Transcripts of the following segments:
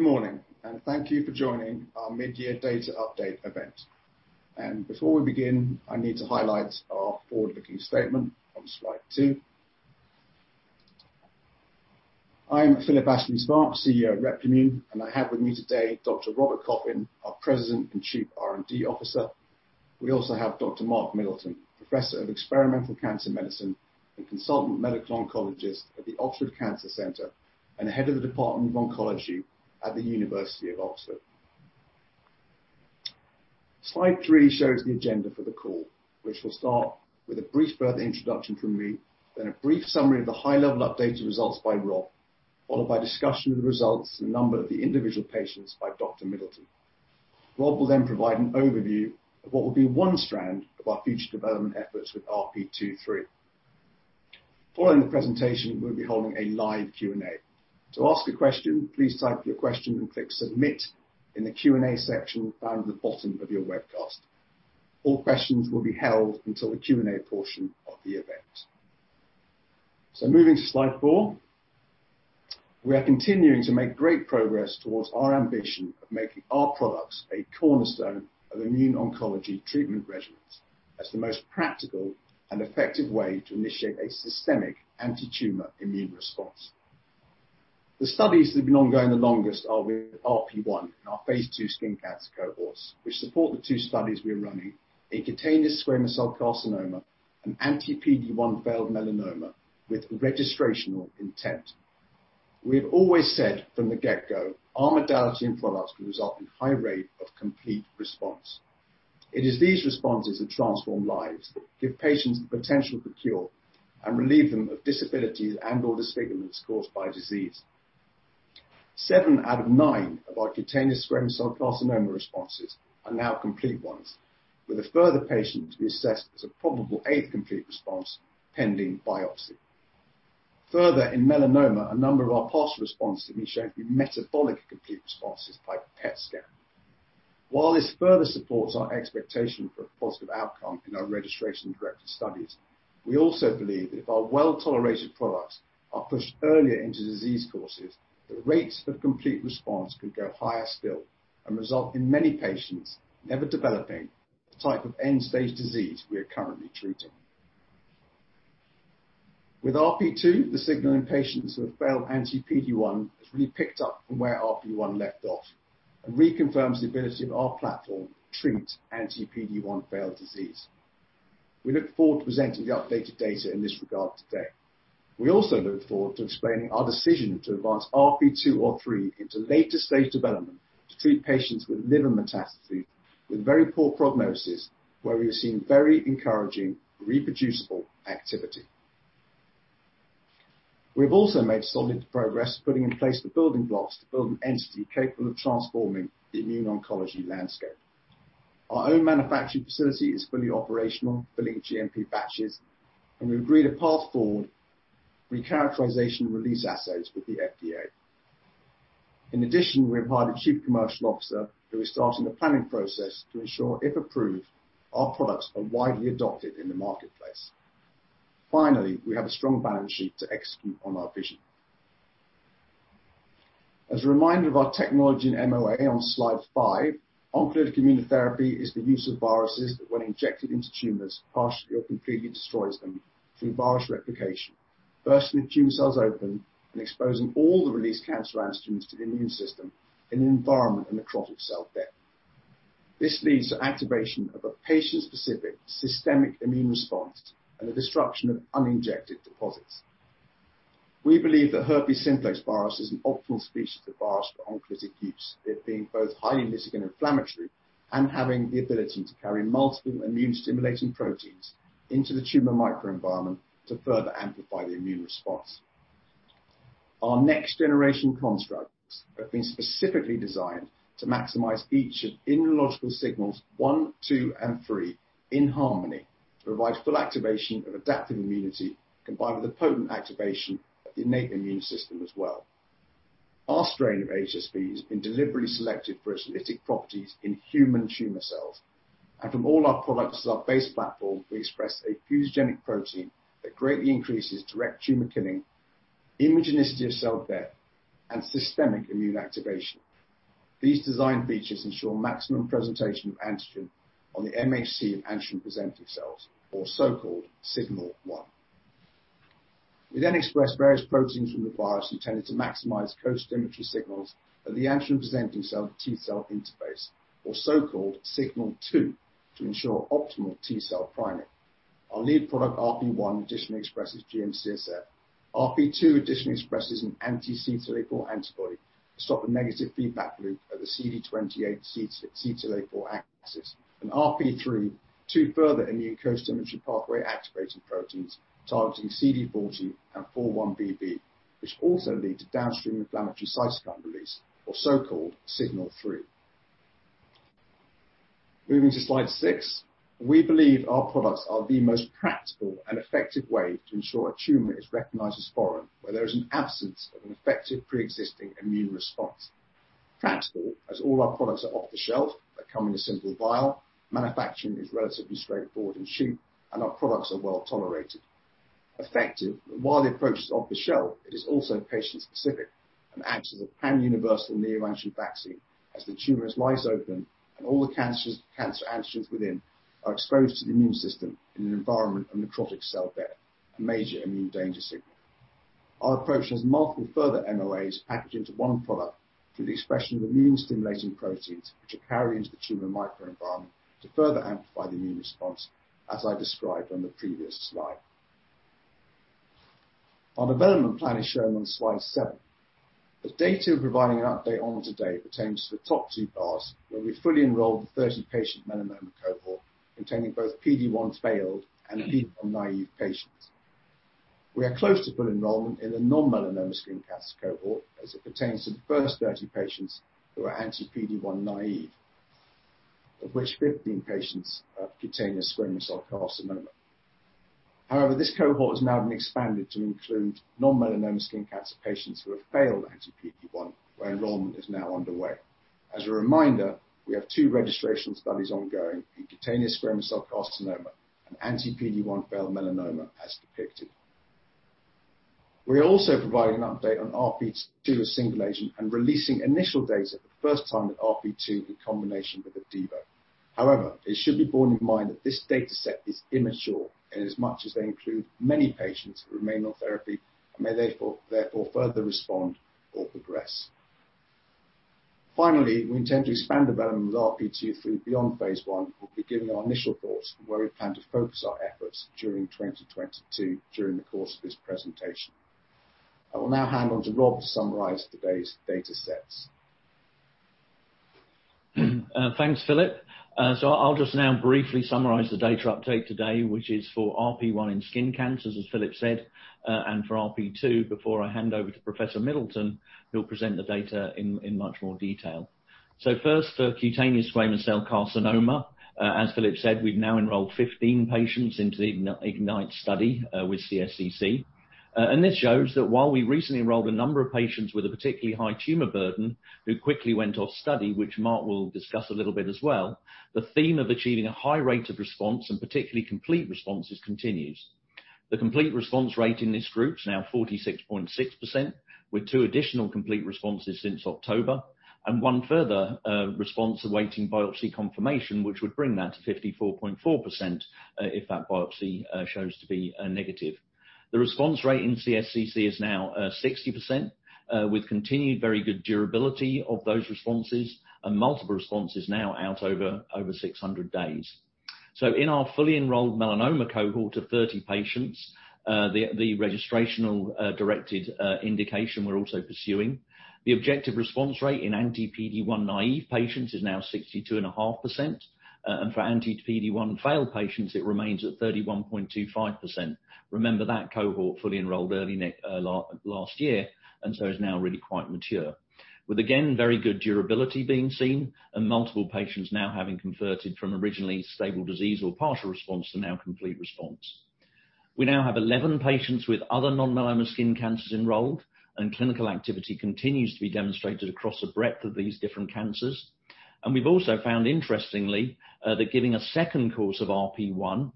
Good morning, thank you for joining our mid-year data update event. Before we begin, I need to highlight our forward-looking statement on slide two. I'm Philip Astley-Sparke, CEO of Replimune, and I have with me today Dr. Robert Coffin, our President and Chief R&D Officer. We also have Dr. Mark Middleton, Professor of Experimental Cancer Medicine and Consultant Medical Oncologist at the Oxford Cancer Center and Head of the Department of Oncology at the University of Oxford. Slide three shows the agenda for the call, which will start with a brief further introduction from me, then a brief summary of the high-level updated results by Rob, followed by a discussion of the results of a number of the individual patients by Dr. Middleton. Rob will then provide an overview of what will be one strand of our future development efforts with RP2/3. Following the presentation, we'll be holding a live Q&A. To ask a question, please type your question and click submit in the Q&A section found at the bottom of your webcast. All questions will be held until the Q&A portion of the event. Moving to slide four. We are continuing to make great progress towards our ambition of making our products a cornerstone of immuno-oncology treatment regimens as the most practical and effective way to initiate a systemic anti-tumor immune response. The studies that have been ongoing the longest are with RP1 and our phase II skin cancer cohorts, which support the two studies we're running in cutaneous squamous cell carcinoma and anti-PD-1 failed melanoma with registrational intent. We have always said from the get-go, our modality and products can result in a high rate of complete response. It is these responses that transform lives, give patients the potential for cure, and relieve them of disabilities and/or disfigurements caused by disease. Seven out of nine of our cutaneous squamous cell carcinoma responses are now complete ones, with a further patient to be assessed as a probable eighth complete response pending biopsy. Further, in melanoma, a number of our partial responses have been shown to be metabolic complete responses by PET scan. While this further supports our expectation for a positive outcome in our registration-directed studies, we also believe if our well-tolerated products are pushed earlier into disease courses, the rates for complete response could go higher still and result in many patients never developing the type of end-stage disease we are currently treating. With RP2, the signal in patients with failed anti-PD-1 has really picked up from where RP1 left off and reconfirms the ability of our platform to treat anti-PD-1 failed disease. We look forward to presenting the updated data in this regard today. We also look forward to explaining our decision to advance RP2 or RP3 into later-stage development to treat patients with liver metastases with very poor prognosis, where we've seen very encouraging reproducible activity. We've also made solid progress putting in place the building blocks to build an entity capable of transforming the immuno-oncology landscape. Our own manufacturing facility is fully operational, filling GMP batches, and we've agreed a path forward recharacterization release assays with the FDA. In addition, we've hired a chief commercial officer who is starting the planning process to ensure, if approved, our products are widely adopted in the marketplace. Finally, we have a strong balance sheet to execute on our vision. As a reminder of our technology and MOA on slide five, oncolytic immunotherapy is the use of viruses that when injected into tumors, partially or completely destroys them through virus replication, bursting the tumor cells open, and exposing all the released cancer antigens to the immune system in an environment of necrotic cell death. This leads to activation of a patient-specific systemic immune response and the destruction of uninjected deposits. We believe that herpes simplex virus is an optimal species of virus for oncolytic use, it being both highly lytic and inflammatory and having the ability to carry multiple immune-stimulating proteins into the tumor microenvironment to further amplify the immune response. Our next-generation constructs have been specifically designed to maximize each of immunological signals I, II, and III in harmony to provide full activation of adaptive immunity, combined with the potent activation of the innate immune system as well. Our strain of HSV has been deliberately selected for its lytic properties in human tumor cells, and from all our products as our base platform, we express a fusogenic protein that greatly increases direct tumor killing, immunogenic cell death, and systemic immune activation. These design features ensure maximum presentation of antigen on the MHC and antigen-presenting cells, or so-called Signal I. We then express various proteins from the virus intended to maximize co-stimulatory signals at the antigen-presenting cell and T cell interface, or so-called Signal II, to ensure optimal T cell priming. Our lead product, RP1, additionally expresses GM-CSF. RP2 additionally expresses an anti-CTLA-4 antibody to stop the negative feedback loop at the CD28 CTLA-4 axis. RP3, two further immune costimulatory pathway activating proteins targeting CD40 and 4-1BB, which also lead to downstream inflammatory cytokine release, or so-called Signal III. Moving to slide six. We believe our products are the most practical and effective way to ensure a tumor is recognized as foreign, where there's an absence of an effective pre-existing immune response. Practical, as all our products are off the shelf. They come in a simple vial. Manufacturing is relatively straightforward and cheap, and our products are well-tolerated. Effective. While the approach is off the shelf, it is also patient-specific and acts as a pan-universal neoadjuvant vaccine as the tumor is sliced open and all the cancer antigens within are exposed to the immune system in an environment of necrotic cell death, a major immune danger signal. Our approach has multiple further MOAs packed into one product through the expression of immune-stimulating proteins, which are carried into the tumor microenvironment to further amplify the immune response, as I described on the previous slide. Our development plan is shown on slide seven. The data we're providing an update on today pertains to the top two bars, where we fully enrolled the 30-patient melanoma cohort containing both PD-1 failed and PD-1 naive patients. We are close to fully enrolled in the non-melanoma skin cancer cohort as it pertains to the first 30 patients who are anti-PD-1 naive, of which 15 patients have cutaneous squamous cell carcinoma. However, this cohort has now been expanded to include non-melanoma skin cancer patients who have failed anti-PD-1, where enrollment is now underway. As a reminder, we have two registrational studies ongoing in cutaneous squamous cell carcinoma and anti-PD-1 failed melanoma, as depicted. We are also providing an update on RP2 as a single agent and releasing initial data for the first time with RP2 in combination with Opdivo. However, it should be borne in mind that this data set is immature in as much as they include many patients who remain on therapy and may therefore further respond or progress. Finally, we intend to expand development of RP2 through beyond phase I and will be giving our initial thoughts on where we plan to focus our efforts during 2022 during the course of this presentation. I will now hand on to Rob to summarize today's data sets. Thanks, Philip. I'll just now briefly summarize the data update today, which is for RP1 in skin cancers, as Philip said, and for RP2, before I hand over to Professor Middleton, who'll present the data in much more detail. First, for cutaneous squamous cell carcinoma, as Philip said, we've now enrolled 15 patients into the IGNYTE study, with CSCC. This shows that while we recently enrolled a number of patients with a particularly high tumor burden who quickly went off study, which Mark will discuss a little bit as well, the theme of achieving a high rate of response and particularly complete responses continues. The complete response rate in this group is now 46.6%, with two additional complete responses since October and one further response awaiting biopsy confirmation, which would bring that to 54.4% if that biopsy shows to be negative. The response rate in CSCC is now 60% with continued very good durability of those responses and multiple responses now out over 600 days. In our fully enrolled melanoma cohort of 30 patients, the registrational-directed indication we're also pursuing, the objective response rate in anti-PD-1 naive patients is now 62.5%. For anti-PD-1 failed patients, it remains at 31.25%. Remember, that cohort fully enrolled early last year, and so is now really quite mature. With again, very good durability being seen and multiple patients now having converted from originally stable disease or partial response to now complete response. We now have 11 patients with other non-melanoma skin cancers enrolled, and clinical activity continues to be demonstrated across the breadth of these different cancers. We've also found, interestingly, that giving a second course of RP1,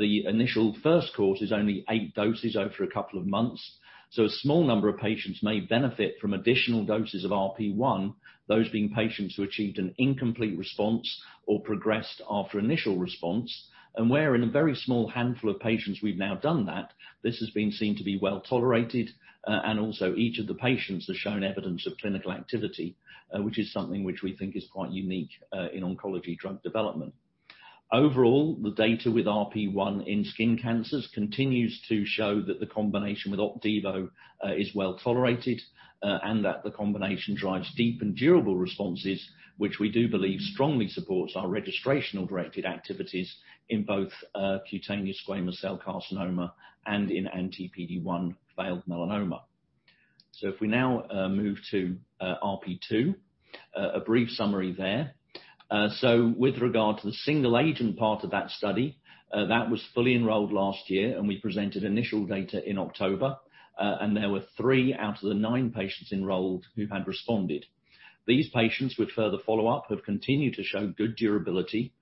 the initial first course is only eight doses over a couple of months. A small number of patients may benefit from additional doses of RP1, those being patients who achieved an incomplete response or progressed after initial response. Where in a very small handful of patients we've now done that, this has been seen to be well-tolerated, and also each of the patients has shown evidence of clinical activity, which is something which we think is quite unique in oncology drug development. The data with RP1 in skin cancers continues to show that the combination with Opdivo is well-tolerated and that the combination drives deep and durable responses, which we do believe strongly supports our registrational-directed activities in both cutaneous squamous cell carcinoma and in anti-PD-1 failed melanoma. If we now move to RP2, a brief summary there. With regard to the single agent part of that study, that was fully enrolled last year, and we presented initial data in October, and there were three out of the nine patients enrolled who had responded. These patients with further follow-up have continued to show good durability,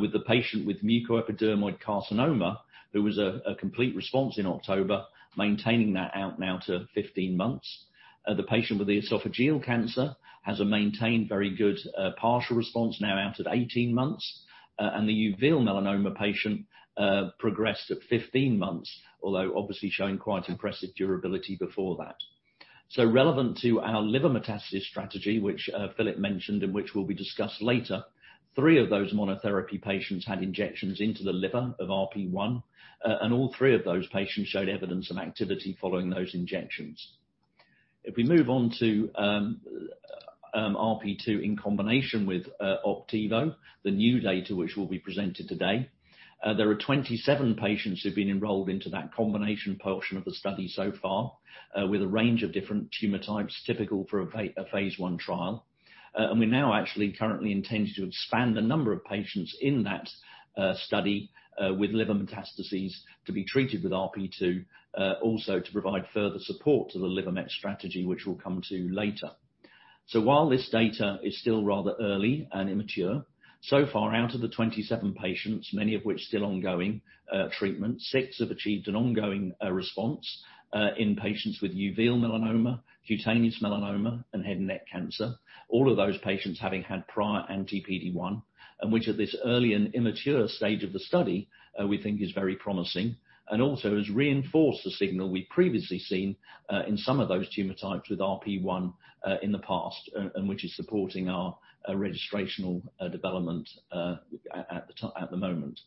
with the patient with mucoepidermoid carcinoma, who was a complete response in October, maintaining that out now to 15 months. The patient with esophageal cancer has maintained very good partial response now out at 18 months. The uveal melanoma patient progressed at 15 months, although obviously showing quite impressive durability before that. Relevant to our liver metastasis strategy, which Philip mentioned and which will be discussed later, three of those monotherapy patients had injections into the liver of RP1, and all three of those patients showed evidence of activity following those injections. If we move on to RP2 in combination with Opdivo, the new data which will be presented today, there are 27 patients who've been enrolled into that combination portion of the study so far with a range of different tumor types typical for a phase I trial. We now actually currently intend to expand the number of patients in that study with liver metastases to be treated with RP2 also to provide further support to the liver met strategy, which we'll come to later. While this data is still rather early and immature, so far out of the 27 patients, many of which still ongoing treatment, six have achieved an ongoing response in patients with uveal melanoma, cutaneous melanoma, and head and neck cancer, all of those patients having had prior anti-PD-1, and which at this early and immature stage of the study, we think is very promising and also has reinforced the signal we'd previously seen in some of those tumor types with RP1 in the past, and which is supporting our registrational development at the moment.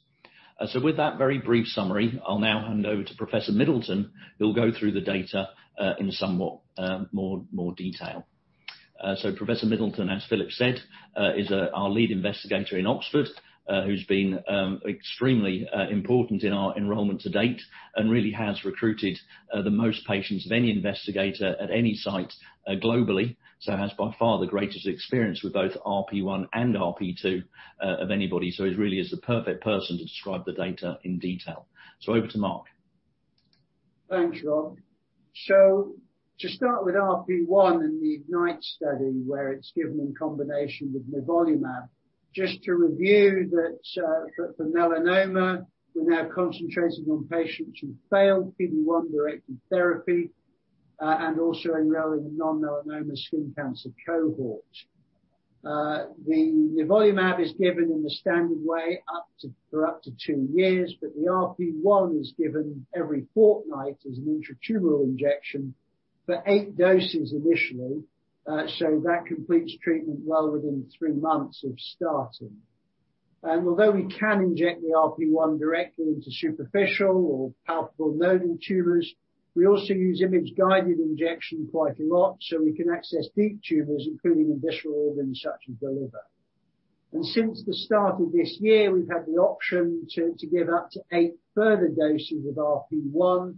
With that very brief summary, I'll now hand over to Professor Middleton, who'll go through the data in somewhat more detail. Professor Middleton, as Philip said, is our lead investigator in Oxford, who's been extremely important in our enrollment to date and really has recruited the most patients of any investigator at any site globally, has by far the greatest experience with both RP1 and RP2 of anybody. He really is the perfect person to describe the data in detail. Over to Mark. Thanks, Rob. To start with RP1 in the IGNYTE study, where it's given in combination with nivolumab, just to review that for melanoma, we're now concentrating on patients who've failed PD-1-directed therapy and also enrolling a non-melanoma skin cancer cohort. The nivolumab is given in the standard way for up to two years, the RP1 is given every fortnight as an intratumoral injection for eight doses initially, that completes treatment well within three months of starting. Although we can inject the RP1 directly into superficial or palpable nodal tumors, we also use image-guided injection quite a lot, we can access deep tumors, including in visceral organs such as the liver. Since the start of this year, we've had the option to give up to eight further doses of RP1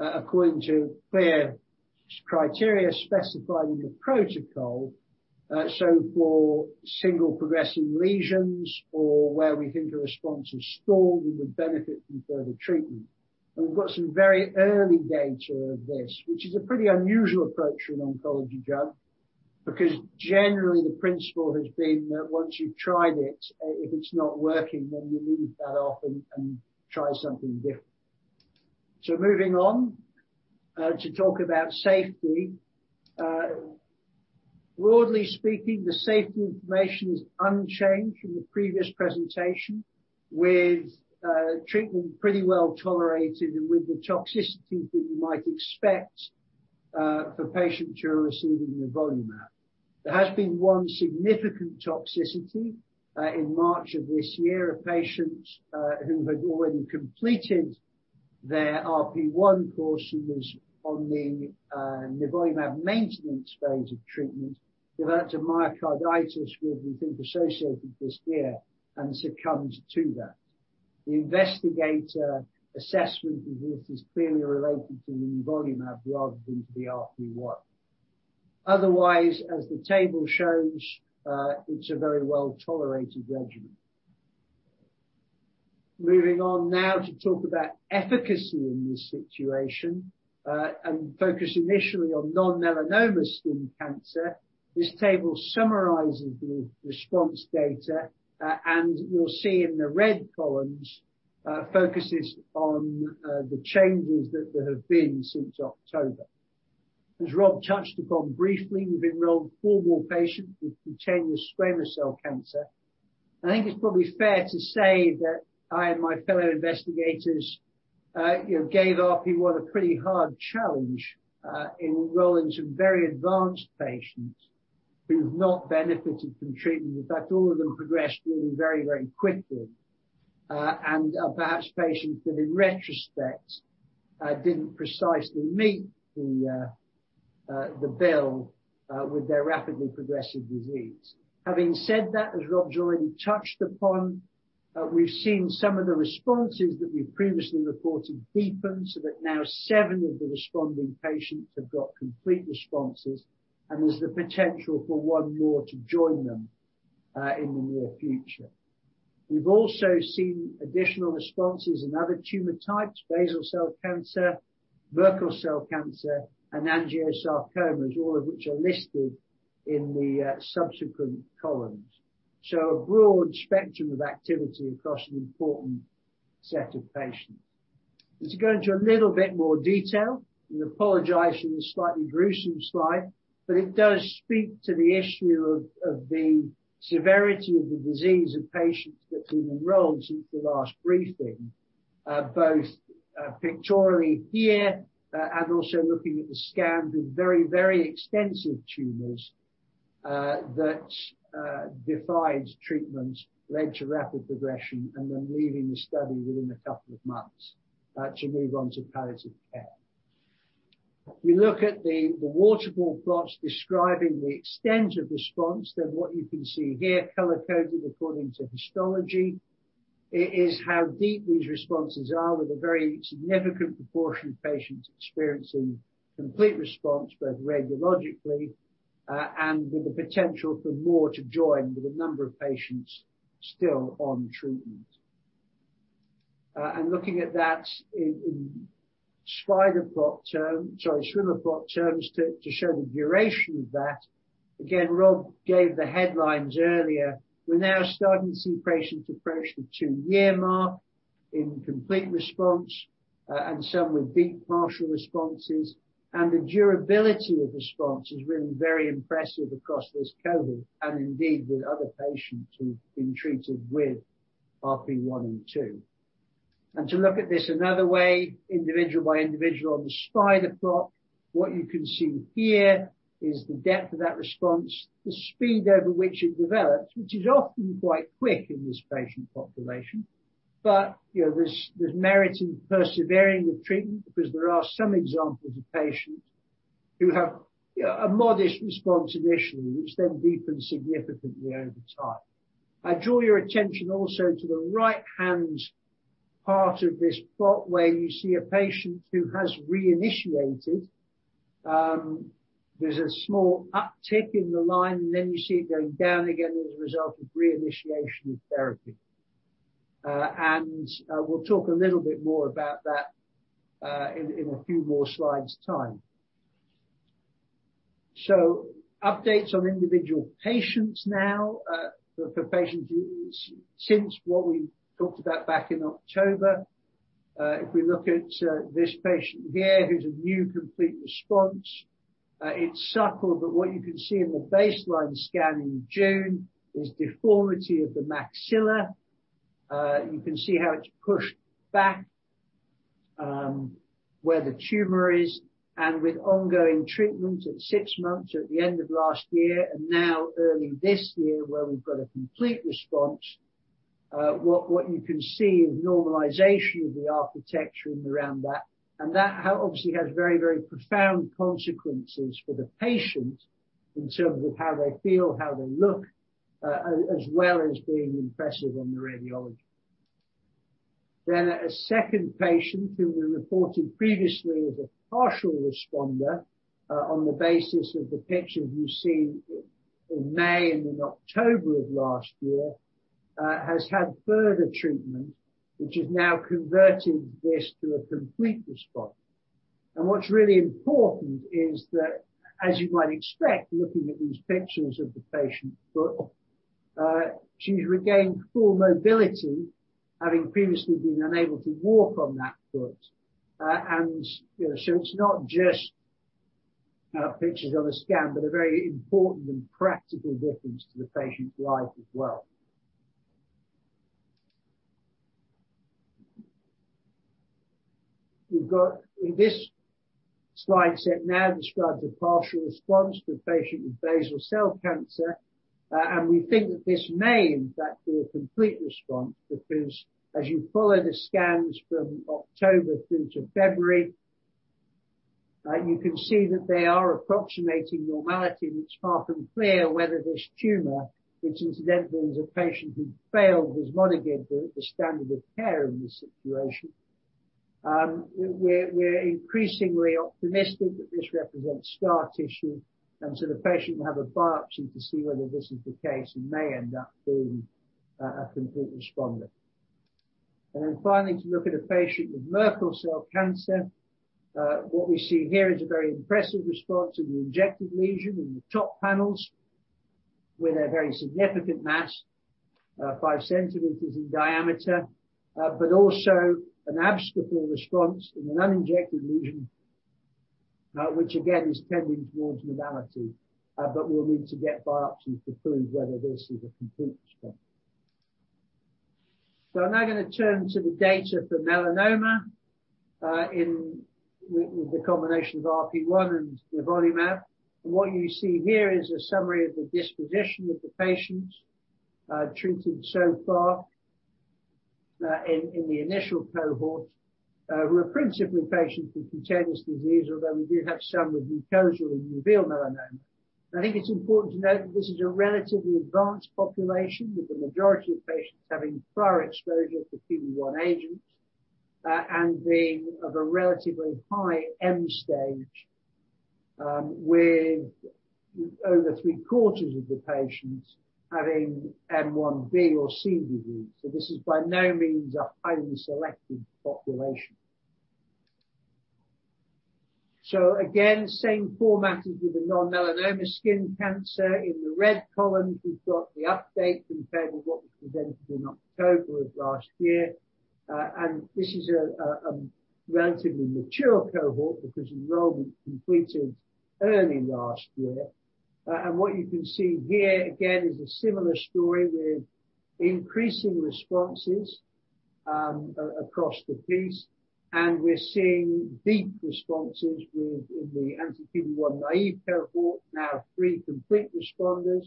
according to clear criteria specified in the protocol, so for single progressing lesions or where we think a response is stalled and would benefit from further treatment. We've got some very early data of this, which is a pretty unusual approach in oncology because generally the principle has been that once you've tried it, if it's not working, then you leave that off and try something different. Moving on to talk about safety. Broadly speaking, the safety information is unchanged from the previous presentation, with treatment pretty well tolerated and with the toxicities that you might expect for patients who are receiving nivolumab. There has been one significant toxicity in March of this year. A patient who had already completed their RP1 course, who was on the nivolumab maintenance phase of treatment, developed a myocarditis, which we think associated with the severe and succumbed to that. The investigator assessment of this is clearly related to the nivolumab rather than to the RP1. Otherwise, as the table shows, it's a very well-tolerated regimen. Moving on now to talk about efficacy in this situation and focus initially on non-melanoma skin cancer. This table summarizes the response data, and you'll see in the red columns, focuses on the changes that there have been since October. As Rob touched upon briefly, we've enrolled four more patients with cutaneous squamous cell carcinoma. I think it's probably fair to say that I and my fellow investigators gave RP1 a pretty hard challenge enrolling some very advanced patients who've not benefited from treatment. In fact, all of them progressed very, very quickly and a batch of patients that in retrospect didn't precisely meet the bill with their rapidly progressive disease. Having said that, as Rob's already touched upon, we've seen some of the responses that we previously reported deepen, so that now seven of the responding patients have got complete responses, and there's the potential for one more to join them in the near future. We've also seen additional responses in other tumor types, basal cell carcinoma, Merkel cell carcinoma, and angiosarcomas, all of which are listed in the subsequent columns. A broad spectrum of activity across an important set of patients. Just to go into a little bit more detail, apologizing for the slightly gruesome slide, it does speak to the issue of the severity of the disease of patients that we've enrolled since the last briefing, both pictorially here and also looking at the scans of very, very extensive tumors that defied treatment, led to rapid progression, and then leaving the study within a couple of months to move on to palliative care. If you look at the waterfall plots describing the extent of response, what you can see here, color-coded according to histology, it is how deep these responses are, with a very significant proportion of patients experiencing complete response, both radiologically and with the potential for more to join with a number of patients still on treatment. Looking at that in spider plot terms, sorry, swimmer plot terms to show the duration of that. Again, Rob gave the headlines earlier. We're now starting to see patients approach the two-year mark in complete response, and some with deep partial responses. The durability of response has been very impressive across this cohort, and indeed with other patients who've been treated with RP1 and RP2. To look at this another way, individual by individual on the spider plot, what you can see here is the depth of that response, the speed over which it develops, which is often quite quick in this patient population. There's merit in persevering with treatment because there are some examples of patients who have a modest response initially, which then deepens significantly over time. I draw your attention also to the right-hand part of this plot where you see a patient who has reinitiated. There's a small uptick in the line, then you see it going down again as a result of reinitiation of therapy. We'll talk a little bit more about that in a few more slides' time. Updates on individual patients now, for patients since what we talked about back in October. If we look at this patient here who's a new complete response, it's subtle, but what you can see in the baseline scan in June is deformity of the maxilla. You can see how it's pushed back where the tumor is, with ongoing treatment at six months at the end of last year and now early this year where we've got a complete response, what you can see is normalization of the architecture in the round back. That obviously has very, very profound consequences for the patient in terms of how they feel, how they look, as well as being impressive on the radiology. A second patient who we reported previously as a partial responder on the basis of the pictures we've seen in May and in October of last year has had further treatment, which has now converted this to a complete response. What's really important is that, as you might expect, looking at these pictures of the patient's foot, she's regained full mobility, having previously been unable to walk on that foot. It's not just pictures on a scan, but a very important and practical difference to the patient's life as well. We've got in this slide set now describes a partial response for patient with basal cell carcinoma, and we think that this may in fact be a complete response because as you follow the scans from October through to February, you can see that they are approximating normality, and it's half unclear whether this tumor, which incidentally is a patient who failed vismodegib, the standard of care in this situation. We're increasingly optimistic that this represents scar tissue, and so the patient will have a biopsy to see whether this is the case and may end up being a complete responder. Finally, to look at a patient with Merkel cell cancer, what we see here is a very impressive response in the injected lesion in the top panels with a very significant mass, five centimeters in diameter, also an observable response in an uninjected lesion, which again is tending towards normality. We'll need to get biopsy to prove whether this is a complete response. I'm now going to turn to the data for melanoma in with the combination of RP1 and nivolumab. What you see here is a summary of the disposition of the patients treated so far in the initial cohort were principally patients with cutaneous disease, although we do have some with mucosal and uveal melanoma. I think it's important to note that this is a relatively advanced population, with the majority of patients having prior exposure to PD-1 agents and being of a relatively high M stage, with over three-quarters of the patients having M1b or C disease. This is by no means a highly selected population. Again, same format as with the non-melanoma skin cancer. In the red column, we've got the update compared with what was presented in October of last year. This is a relatively mature cohort because enrollment completed early last year. What you can see here again is a similar story with increasing responses across the piece, and we're seeing deep responses within the anti-PD-1 naive cohort, now three complete responders,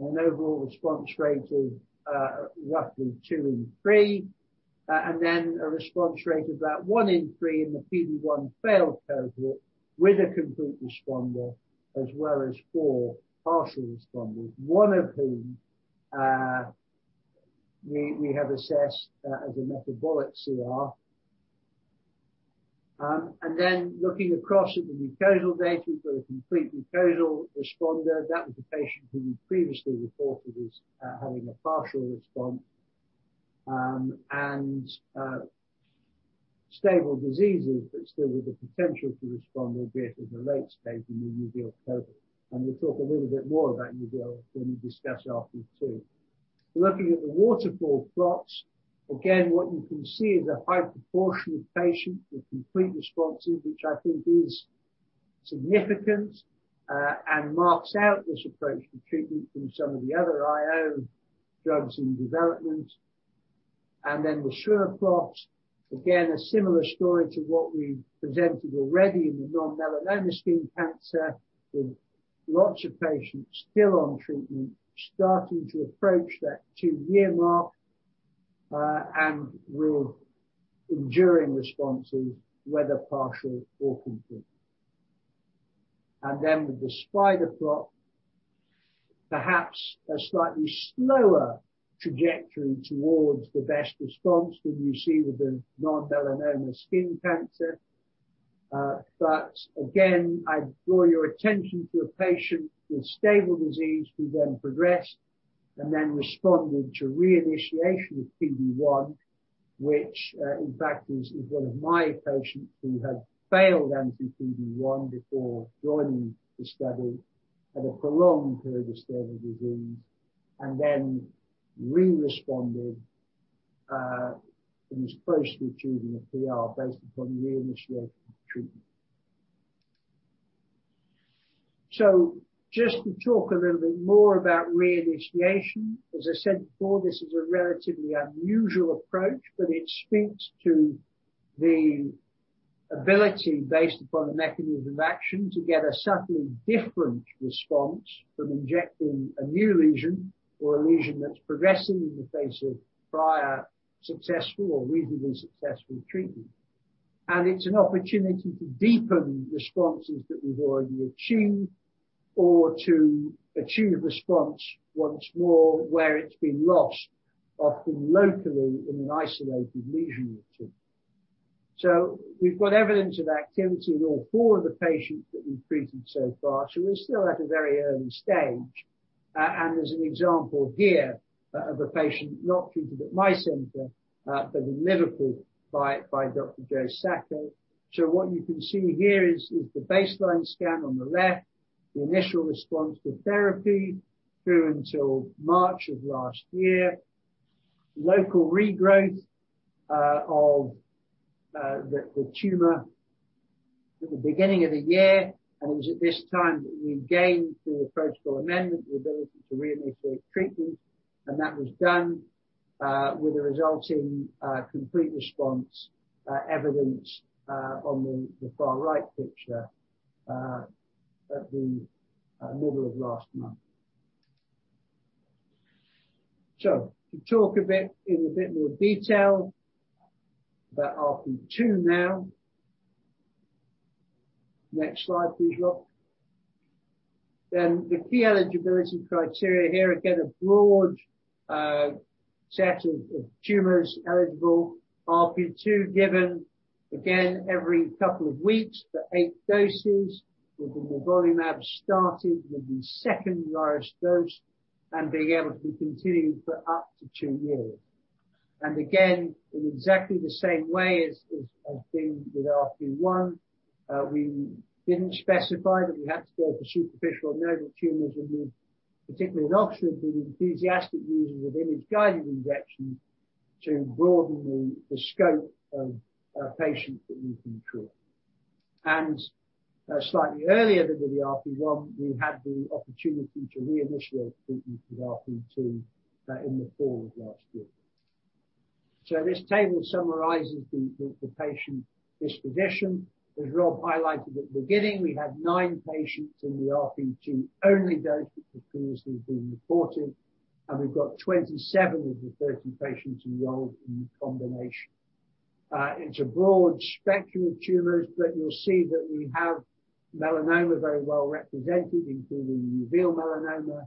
an overall response rate of roughly 2 in 3, and then a response rate of about 1 in 3 in the PD-1 failed cohort with a complete responder, as well as four partial responders, one of whom we have assessed as a metabolic CR. Looking across at the mucosal data, we've got a complete mucosal responder. That was a patient who we previously reported as having a partial response, and stable diseases, but still with the potential to respond, albeit at a late stage in the uveal cohort. We'll talk a little bit more about uveal when we discuss RP2. Looking at the waterfall plots, again, what you can see is a high proportion of patients with complete responses, which I think is significant and marks out this approach for treatment from some of the other IO drugs in development. The swimmer plots, again, a similar story to what we've presented already in the non-melanoma skin cancer, with lots of patients still on treatment, starting to approach that two-year mark, and with enduring responses, whether partial or complete. With the spider plot, perhaps a slightly slower trajectory towards the best response than you see with the non-melanoma skin cancer. Again, I draw your attention to a patient with stable disease who then progressed and then responded to reinitiation of PD-1, which in fact is one of my patients who had failed anti-PD-1 before joining the study, had a prolonged period of stable disease, and then re-responded and was closely achieving a PR based upon reinitiation of treatment. Just to talk a little bit more about reinitiation. As I said before, this is a relatively unusual approach, but it speaks to the ability, based upon the mechanism of action, to get a subtly different response from injecting a new lesion or a lesion that's progressing in the face of prior successful or reasonably successful treatment. It's an opportunity to deepen responses that we've already achieved or to achieve a response once more where it's been lost, often locally in an isolated lesion return. We've got evidence of activity in all four of the patients that we've treated so far, we're still at a very early stage. There's an example here of a patient not treated at my center, but in Liverpool by Dr. Joe Sacco. What you can see here is the baseline scan on the left, the initial response to therapy through until March of last year, local regrowth of the tumor at the beginning of the year, and it was at this time that we again, through a protocol amendment, were able to reinitiate treatment, and that was done with a resulting complete response evidenced on the far-right picture at the middle of last month. To talk a bit in a bit more detail about RP2 now. Next slide, please, Rob. The key eligibility criteria here, again, a broad set of tumors eligible, RP2 given again every couple of weeks for eight doses with nivolumab started with the second-highest dose and being able to be continued for up to two years. Again, in exactly the same way as has been with RP1, we didn't specify that we had to go for superficial known tumors, and we've, particularly in Oxford, been enthusiastic users of image-guided injection to broaden the scope of patients that we can treat. Slightly earlier than the RP1, we had the opportunity to reinitiate treatment with RP2 in the fall of last year. This table summarizes the patient disposition. As Rob highlighted at the beginning, we have nine patients in the RP2-only dose, which previously have been reported, and we've got 27 of the 30 patients enrolled in the combination. It's a broad spectrum of tumors, but you'll see that we have melanoma very well represented, including uveal melanoma,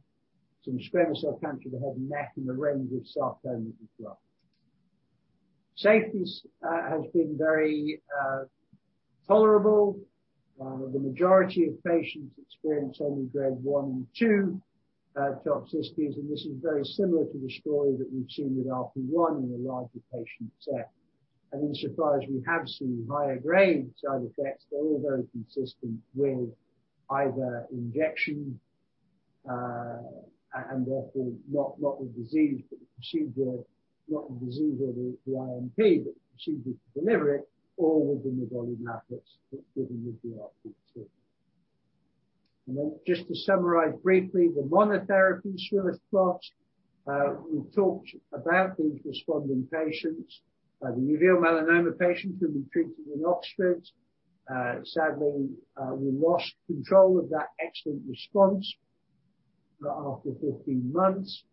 some squamous cell cancer of the head and neck, and a range of sarcoma as well. Safety has been very tolerable. The majority of patients experience only Grade 1 and 2 toxicities. This is very similar to the story that we've seen with RP1 in a larger patient set. Insofar as we have some higher-grade side effects, they're all very consistent with either injection and often not with disease, but procedure, not with disease or the IMP, but procedures to deliver it all with nivolumab or with the RP2. Just to summarize briefly, the monotherapy sure spots, we've talked about these responding patients, the uveal melanoma patients who were treated in Oxford. Sadly, we lost control of that excellent response after 15 months,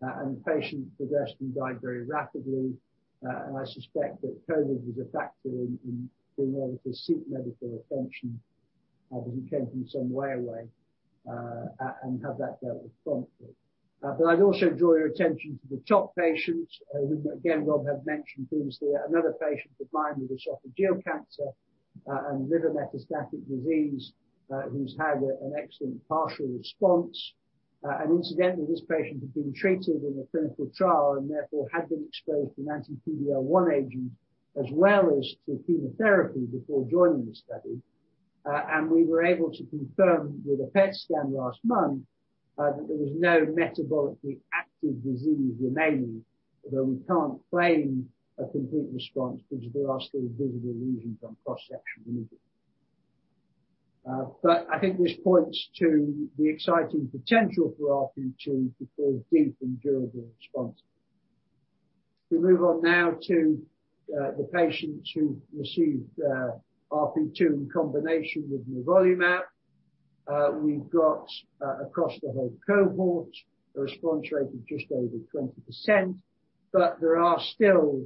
and the patient progressed and died very rapidly. I suspect that COVID was a factor in being able to seek medical attentionObviously came from some way away and had that dealt with promptly. I'd also draw your attention to the top patient, whom again Rob had mentioned previously, another patient with mid-esophageal cancer and liver metastatic disease who's had an excellent partial response. Incidentally, this patient had been treated in a clinical trial and therefore had been exposed to an anti-PD-L1 agent as well as to chemotherapy before joining the study. We were able to confirm with a PET scan last month that there was no metabolically active disease remaining, although we can't claim a complete response because there are still visible lesions on cross-sectional imaging. I think this points to the exciting potential for RP2 to produce deep and durable responses. We move on now to the patients who received RP2 in combination with nivolumab. We've got, across the whole cohort, a response rate of just over 20%. There are still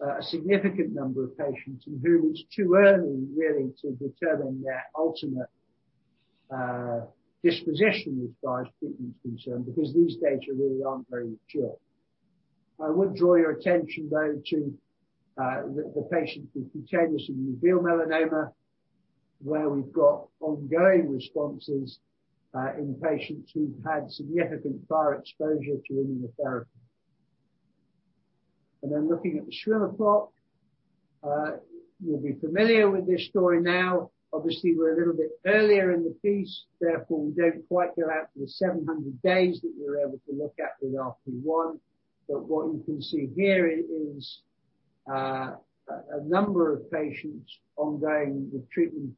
a significant number of patients in whom it's too early really to determine their ultimate disposition as far as treatment is concerned, because these data really aren't very mature. I would draw your attention, though, to the patient with cutaneous and uveal melanoma, where we've got ongoing responses in patients who've had significant prior exposure to immunotherapy. Looking at the swimmer plot, you'll be familiar with this story now. Obviously, we're a little bit earlier in the piece, therefore we don't quite go out to the 700 days that we were able to look at with RP1. What you can see here is a number of patients ongoing with treatment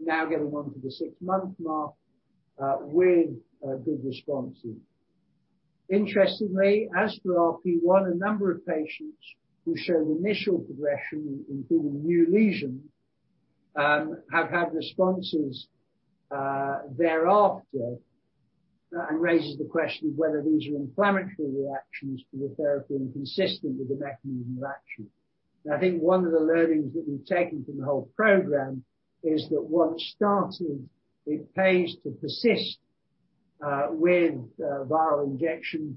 now getting on to the six-month mark with good responses. Interestingly, as for RP1, a number of patients who showed initial progression, including new lesions, have had responses thereafter. Raises the question of whether these are inflammatory reactions to the therapy inconsistent with the mechanism of action. I think one of the learnings that we've taken from the whole program is that once started, it pays to persist with viral injection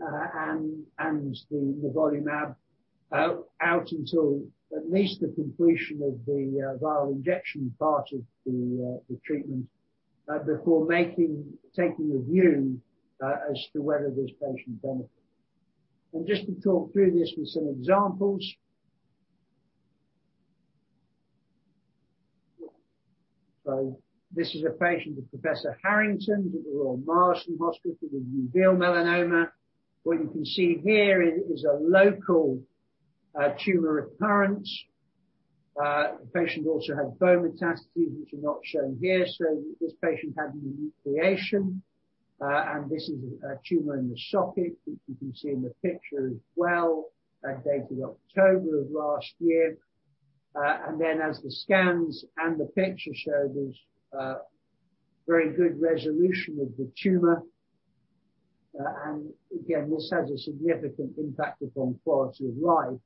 and the nivolumab out until at least the completion of the viral injection part of the treatment before taking a view as to whether there's patient benefit. Just to talk through this with some examples. This is a patient of Professor Harrington's at The Royal Marsden Hospital with uveal melanoma. What you can see here is a local tumor recurrence. The patient also had bone metastases, which are not shown here. This patient had a new lesion. This is a tumor in the socket, which you can see in the picture as well, dated October of last year. As the scans and the picture show, there's very good resolution of the tumor. Again, this has a significant impact upon quality of life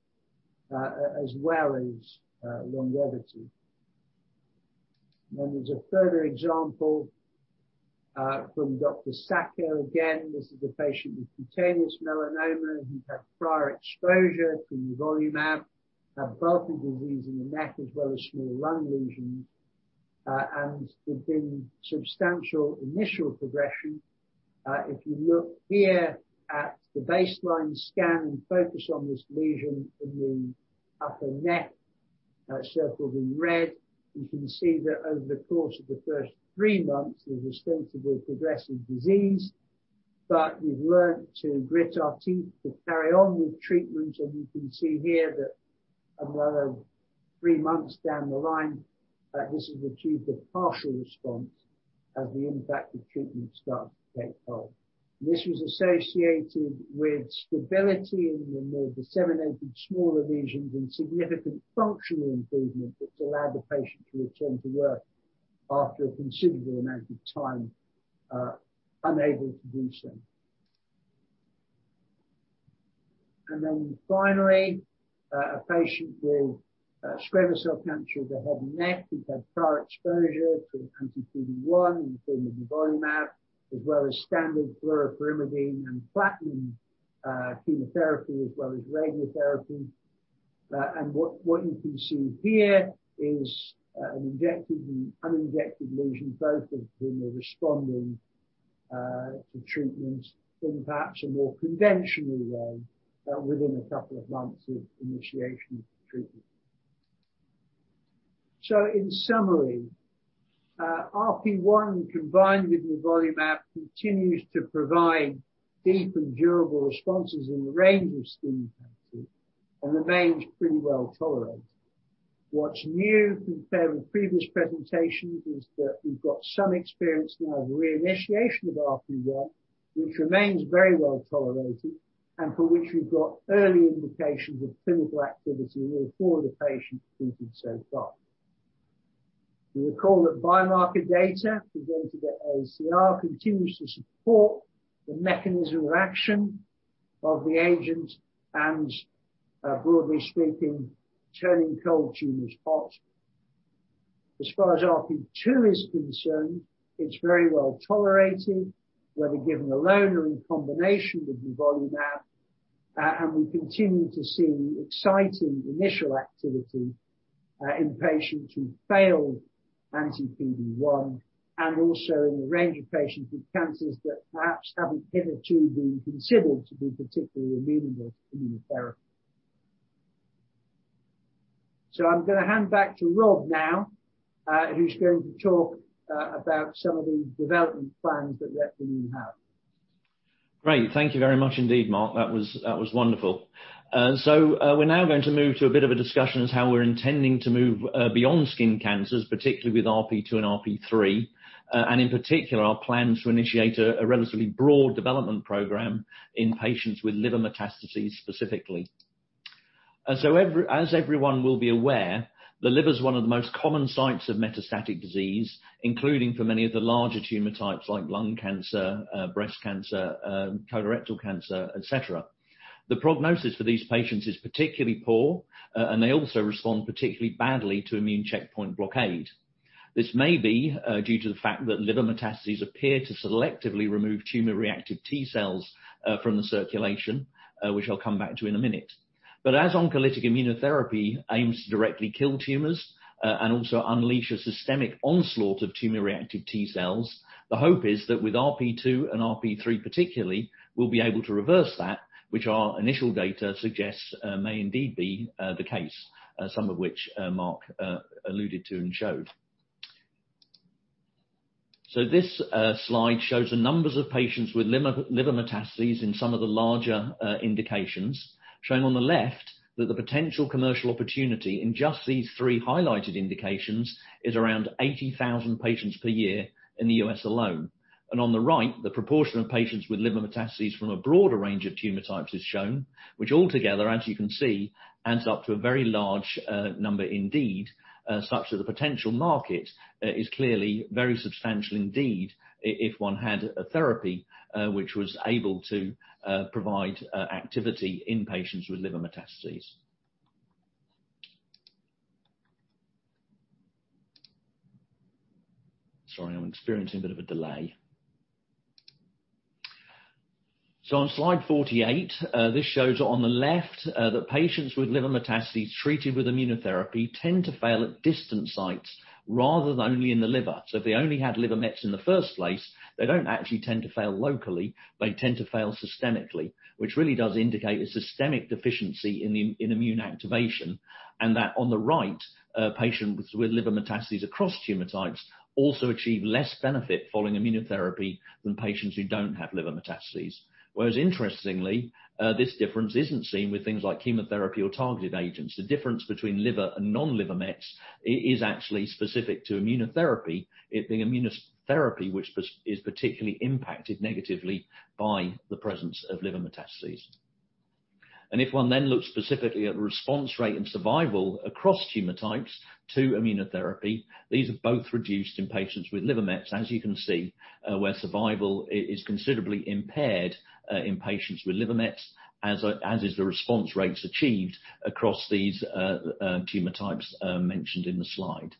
as well as longevity. There's a further example from Dr. Sacco. Again, this is a patient with cutaneous melanoma who'd had prior exposure to nivolumab, had bulky disease in the neck as well as small lung lesions, and there'd been substantial initial progression. If you look here at the baseline scan and focus on this lesion in the upper neck circled in red, you can see that over the course of the first three months, there was considerable progressive disease. We've learned to grit our teeth to carry on with treatment, and you can see here that another 3 months down the line, this has achieved a partial response as the impact of treatment starts to take hold. This was associated with stability in the more disseminated smaller lesions and significant functional improvement that's allowed the patient to return to work after a considerable amount of time unable to do so. Finally, a patient with squamous cell cancer of the head and neck who'd had prior exposure to anti-PD-1 in the form of nivolumab, as well as standard fluoropyrimidine and platinum chemotherapy, as well as radiotherapy. What you can see here is an injected and uninjected lesion, both of whom are responding to treatment in perhaps a more conventional way within a couple of months of initiation of the treatment. In summary, RP1 combined with nivolumab continues to provide deep and durable responses in a range of skin cancers and remains pretty well-tolerated. What's new compared with previous presentations is that we've got some experience now of reinitiation with RP1, which remains very well-tolerated and for which we've got early indications of clinical activity in all four of the patients treated so far. We recall that biomarker data presented at AACR continues to support the mechanism of action of the agent and broadly speaking, turning cold tumors hot. As far as RP2 is concerned, it's very well-tolerated, whether given alone or in combination with nivolumab, and we continue to see exciting initial activity in patients who failed anti-PD-1, and also in a range of patients with cancers that perhaps haven't hitherto been considered to be particularly amenable to immunotherapy. I'm going to hand back to Rob now, who's going to talk about some of the development plans that Replimune have. Great. Thank you very much indeed, Mark. That was wonderful. We're now going to move to a bit of a discussion as to how we're intending to move beyond skin cancers, particularly with RP2 and RP3, and in particular, our plan is to initiate a relatively broad development program in patients with liver metastases specifically. As everyone will be aware, the liver is one of the most common sites of metastatic disease, including for many of the larger tumor types like lung cancer, breast cancer, colorectal cancer, et cetera. The prognosis for these patients is particularly poor, and they also respond particularly badly to immune checkpoint blockade. This may be due to the fact that liver metastases appear to selectively remove tumor-reactive T cells from the circulation, which I'll come back to in a minute. As oncolytic immunotherapy aims to directly kill tumors and also unleash a systemic onslaught of tumor-reactive T cells, the hope is that with RP2 and RP3 particularly, we'll be able to reverse that, which our initial data suggests may indeed be the case, some of which Mark alluded to and showed. This slide shows the numbers of patients with liver metastases in some of the larger indications, showing on the left that the potential commercial opportunity in just these three highlighted indications is around 80,000 patients per year in the U.S. alone. On the right, the proportion of patients with liver metastases from a broader range of tumor types is shown, which altogether, as you can see, adds up to a very large number indeed, such that the potential market is clearly very substantial indeed, if one had a therapy which was able to provide activity in patients with liver metastases. Sorry, I'm experiencing a bit of a delay. On slide 48, this shows on the left that patients with liver metastases treated with immunotherapy tend to fail at distant sites rather than only in the liver. If they only had liver mets in the first place, they don't actually tend to fail locally, they tend to fail systemically, which really does indicate a systemic deficiency in immune activation, and that on the right, patients with liver metastases across tumor types also achieve less benefit following immunotherapy than patients who don't have liver metastases. Whereas interestingly, this difference isn't seen with things like chemotherapy or targeted agents. The difference between liver and non-liver mets is actually specific to immunotherapy, the immunotherapy which is particularly impacted negatively by the presence of liver metastases. If one then looks specifically at the response rate and survival across tumor types to immunotherapy, these are both reduced in patients with liver mets, as you can see, where survival is considerably impaired in patients with liver mets, as is the response rates achieved across these tumor types mentioned in the slide.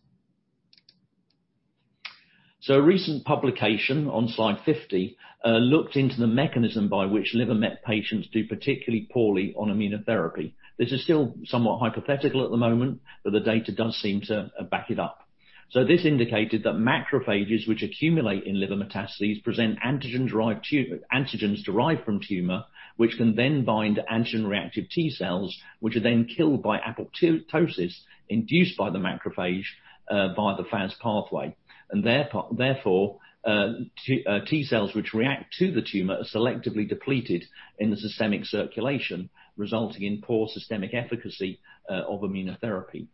A recent publication on slide 50 looked into the mechanism by which liver mets patients do particularly poorly on immunotherapy. This is still somewhat hypothetical at the moment, the data does seem to back it up. This indicated that macrophages which accumulate in liver metastases present antigens derived from tumor, which can then bind antigen-reactive T cells, which are then killed by apoptosis induced by the macrophage via the FAS pathway. Therefore, T cells which react to the tumor are selectively depleted in the systemic circulation, resulting in poor systemic efficacy of immunotherapy.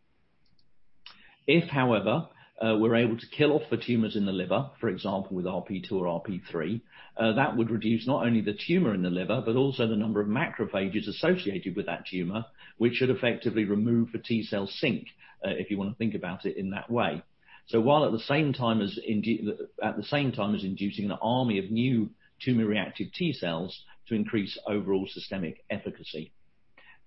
If, however, we're able to kill off the tumors in the liver, for example, with RP2 or RP3, that would reduce not only the tumor in the liver, but also the number of macrophages associated with that tumor, which should effectively remove the T cell sink, if you want to think about it in that way. While at the same time as inducing an army of new tumor-reactive T cells to increase overall systemic efficacy.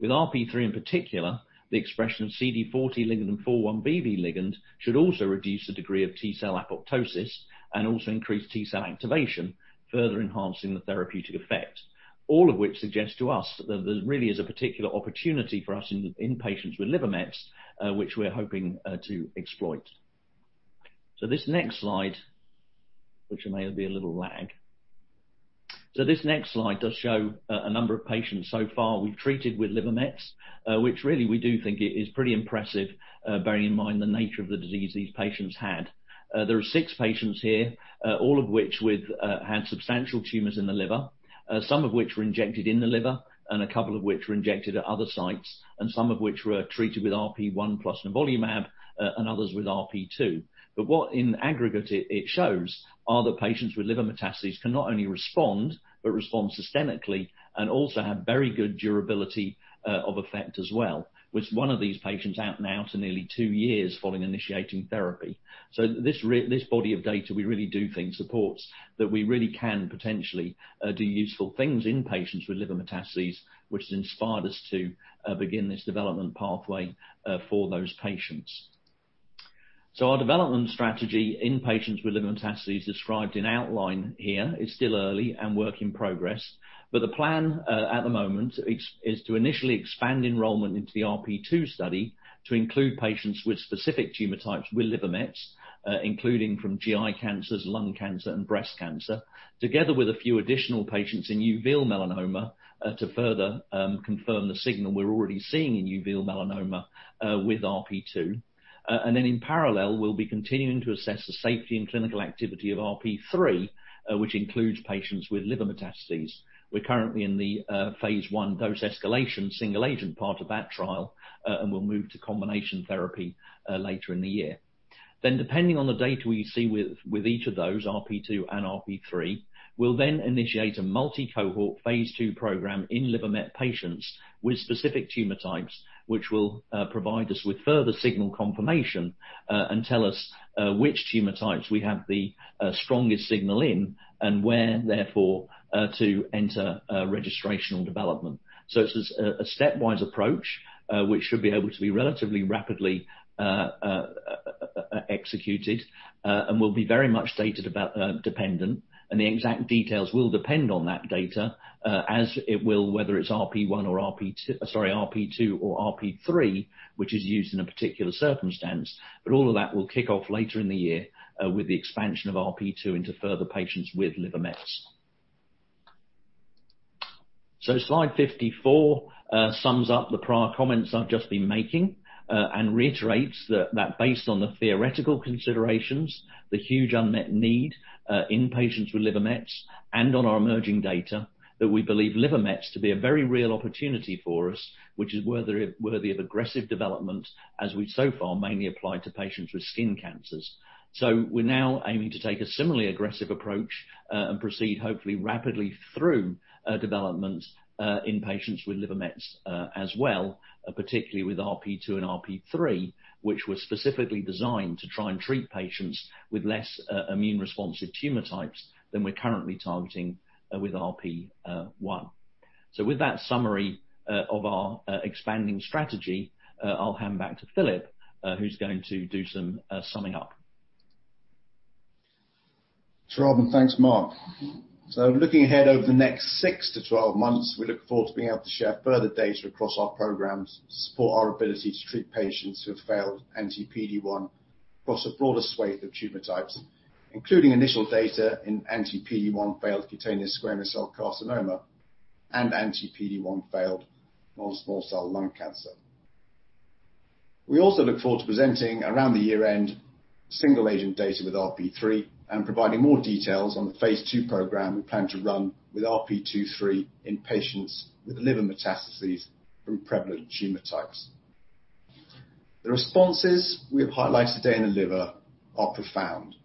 With RP3 in particular, the expression of CD40 ligand and 4-1BB ligand should also reduce the degree of T cell apoptosis and also increase T cell activation, further enhancing the therapeutic effect. All of which suggests to us that there really is a particular opportunity for us in patients with liver mets, which we're hoping to exploit. This next slide, which there may be a little lag. This next slide does show a number of patients so far we've treated with liver mets, which really we do think is pretty impressive, bearing in mind the nature of the disease these patients had. There are six patients here, all of which had substantial tumors in the liver, some of which were injected in the liver, and a couple of which were injected at other sites, and some of which were treated with RP1 plus nivolumab, and others with RP2. What in aggregate it shows are that patients with liver metastases can not only respond, but respond systemically and also have very good durability of effect as well, with one of these patients out now to nearly two years following initiating therapy. This body of data we really do think supports that we really can potentially do useful things in patients with liver metastases, which inspired us to begin this development pathway for those patients. Our development strategy in patients with liver metastases described in outline here is still early and work in progress. The plan at the moment is to initially expand enrollment into the RP2 study to include patients with specific tumor types with liver mets, including from GI cancers, lung cancer, and breast cancer, together with a few additional patients in uveal melanoma to further confirm the signal we're already seeing in uveal melanoma with RP2. In parallel, we'll be continuing to assess the safety and clinical activity of RP3, which includes patients with liver metastases. We're currently in the Phase I dose escalation single-agent part of that trial, and we'll move to combination therapy later in the year. Depending on the data we see with each of those, RP2 and RP3, we'll then initiate a multi-cohort Phase II program in liver met patients with specific tumor types, which will provide us with further signal confirmation and tell us which tumor types we have the strongest signal in and where, therefore, to enter registrational development. It's a stepwise approach, which should be able to be relatively rapidly executed and will be very much data-dependent. The exact details will depend on that data as it will, whether it's RP1 or RP2, sorry, RP2 or RP3, which is used in a particular circumstance. All of that will kick off later in the year with the expansion of RP2 into further patients with liver mets. Slide 54 sums up the prior comments I've just been making and reiterates that based on the theoretical considerations, the huge unmet need in patients with liver mets and on our emerging data, that we believe liver mets to be a very real opportunity for us, which is worthy of aggressive development as we so far mainly apply to patients with skin cancers. We're now aiming to take a similarly aggressive approach and proceed hopefully rapidly through development in patients with liver mets as well, particularly with RP2 and RP3, which were specifically designed to try and treat patients with less immune responsive tumor types than we're currently targeting with RP1. With that summary of our expanding strategy, I'll hand back to Philip, who's going to do some summing up. Sure. Thanks, Mark. Looking ahead over the next 6-12 months, we look forward to being able to share further data across our programs to support our ability to treat patients who have failed anti-PD-1 across a broader swathe of tumor types, including initial data in anti-PD-1 failed cutaneous squamous cell carcinoma and anti-PD-1 failed non-small cell lung cancer. We also look forward to presenting around the year-end single-agent data with RP3 and providing more details on the Phase II program we plan to run with RP2/3 in patients with liver metastases from prevalent tumor types. The responses with high lytic strain in liver are profound.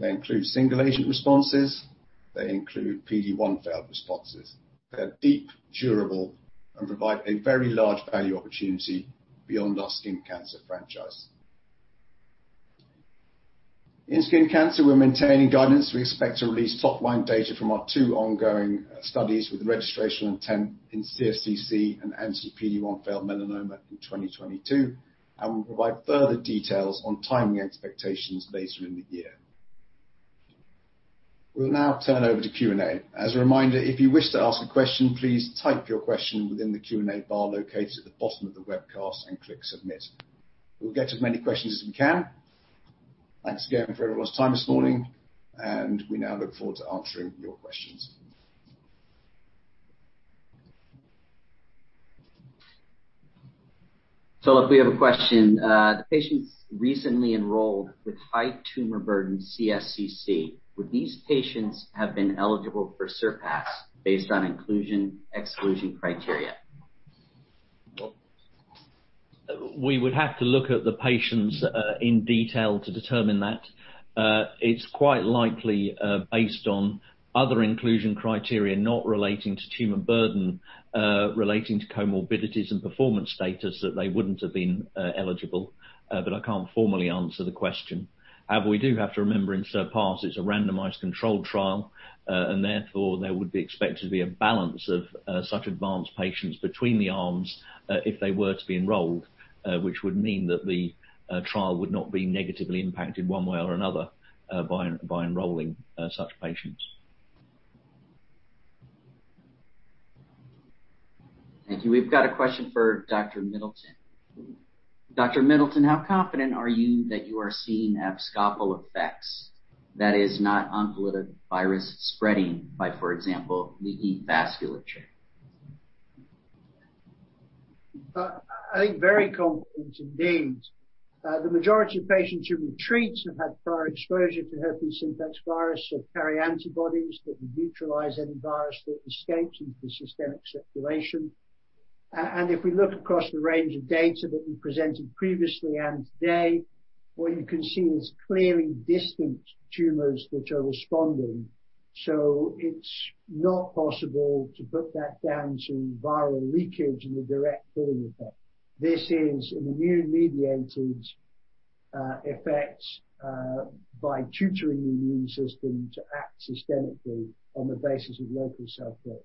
They include single-agent responses, they include PD-1 failed responses. They're deep, durable, and provide a very large value opportunity beyond our skin cancer franchise. In skin cancer, we're maintaining guidance. We expect to release top-line data from our two ongoing studies with registration intent in CSCC and anti-PD-1 failed melanoma in 2022, and we'll provide further details on timing expectations later in the year. We'll now turn over to Q&A. As a reminder, if you wish to ask a question, please type your question within the Q&A bar located at the bottom of the webcast and click submit. We'll get to as many questions as we can. Thanks again for everyone's time this morning, and we now look forward to answering your questions. Philip, we have a question. Patients recently enrolled with high tumor burden CSCC. Would these patients have been eligible for CERPASS based on inclusion, exclusion criteria? We would have to look at the patients in detail to determine that. It's quite likely based on other inclusion criteria not relating to tumor burden, relating to comorbidities and performance status that they wouldn't have been eligible. I can't formally answer the question. We do have to remember in CERPASS it's a randomized controlled trial, therefore there would be expected to be a balance of such advanced patients between the arms if they were to be enrolled, which would mean that the trial would not be negatively impacted one way or another by enrolling such patients. Thank you. We've got a question for Dr. Middleton. Dr. Middleton, how confident are you that you are seeing abscopal effects that is not oncolytic virus spreading by, for example, leaky vasculature? I think very confident indeed. The majority of patients who retreat have had prior exposure to herpes simplex virus or carry antibodies that would neutralize any virus that escapes into systemic circulation. If we look across the range of data that we presented previously and today, what you can see is clearly distant tumors which are responding. It's not possible to put that down to viral leakage and a direct effect. This is an immune-mediated effect by tutoring the immune system to act systemically on the basis of local cell death.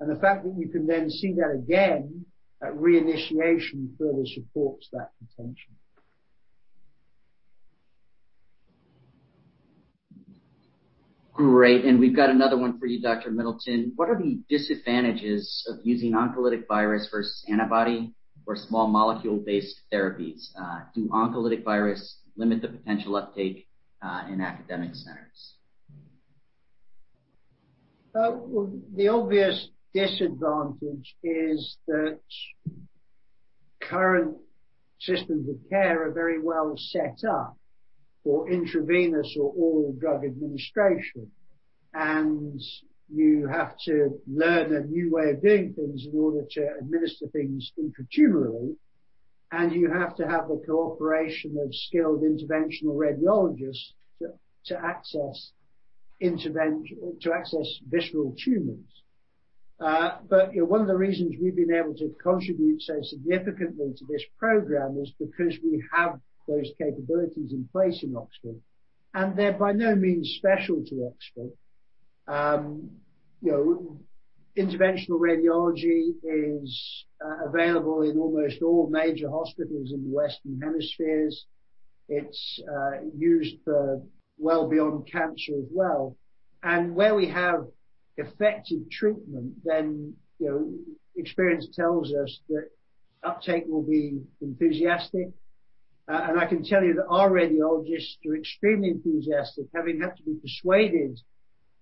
The fact that we can then see that again, that reinitiation further supports that potential. Great. We've got another one for you, Dr. Middleton. What are the disadvantages of using oncolytic virus versus antibody or small molecule-based therapies? Do oncolytic virus limit the potential uptake in academic centers? The obvious disadvantage is that current systems of care are very well set up for intravenous or oral drug administration, and you have to learn a new way of doing things in order to administer things intratumorally, and you have to have the cooperation of skilled interventional radiologists to access visceral tumors. One of the reasons we've been able to contribute so significantly to this program is because we have those capabilities in place in Oxford, and they're by no means special to Oxford. Interventional radiology is available in almost all major hospitals in the Western hemispheres. It's used for well beyond cancer as well. Where we have effective treatment, then experience tells us that uptake will be enthusiastic. I can tell you that our radiologists were extremely enthusiastic, having had to be persuaded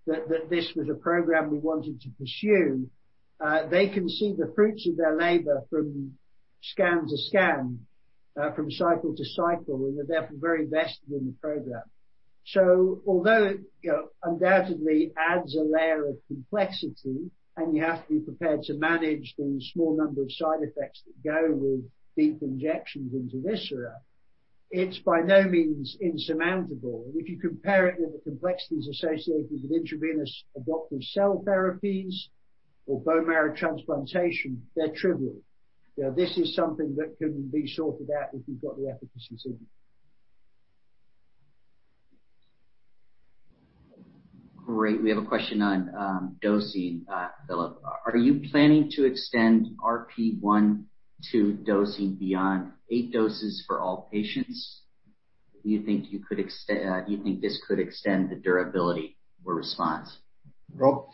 that this was a program we wanted to pursue. They can see the fruits of their labor from scan to scan, from cycle to cycle, and they're very vested in the program. Although it undoubtedly adds a layer of complexity and you have to be prepared to manage the small number of side effects that go with deep injections into viscera, it's by no means insurmountable. If you compare it with the complexities associated with intravenous adoptive cell therapies or bone marrow transplantation, they're trivial. This is something that can be sorted out if you've got the efficacy signal. Great. We have a question on dosing, Philip. Are you planning to extend RP1 to dosing beyond eight doses for all patients? Do you think this could extend the durability or response? No,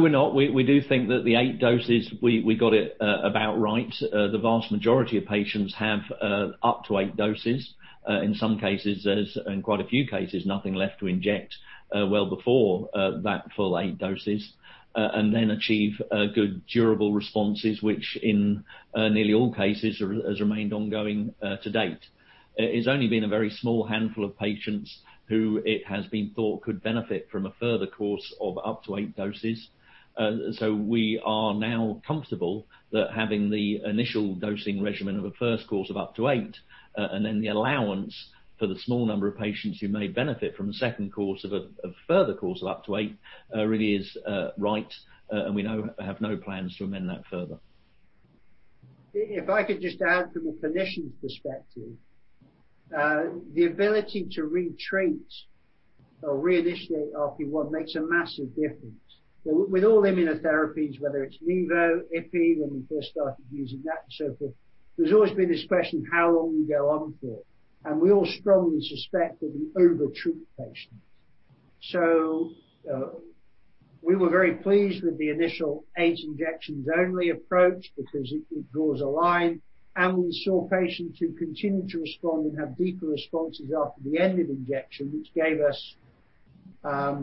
we're not. We do think that the eight doses, we got it about right. The vast majority of patients have up to eight doses. In some cases, there's, in quite a few cases, nothing left to inject well before that full eight doses, and then achieve good durable responses, which in nearly all cases has remained ongoing to date. It's only been a very small handful of patients who it has been thought could benefit from a further course of up to eight doses. We are now comfortable that having the initial dosing regimen of a first course of up to eight, and then the allowance for the small number of patients who may benefit from a second course of a further course of up to eight really is right, and we have no plans to amend that further. If I could just add from a physician's perspective, the ability to retreat or reinitiate RP1 makes a massive difference. With all immunotherapies, whether it's nivo, ipilimumab, when we first started using that and so forth, there's always been a question how long we go on for, and we all strongly suspect that we over-treat patients. We were very pleased with the initial eight injections only approach because it draws a line, and we saw patients who continued to respond and have deeper responses after the end of injection, which gave us a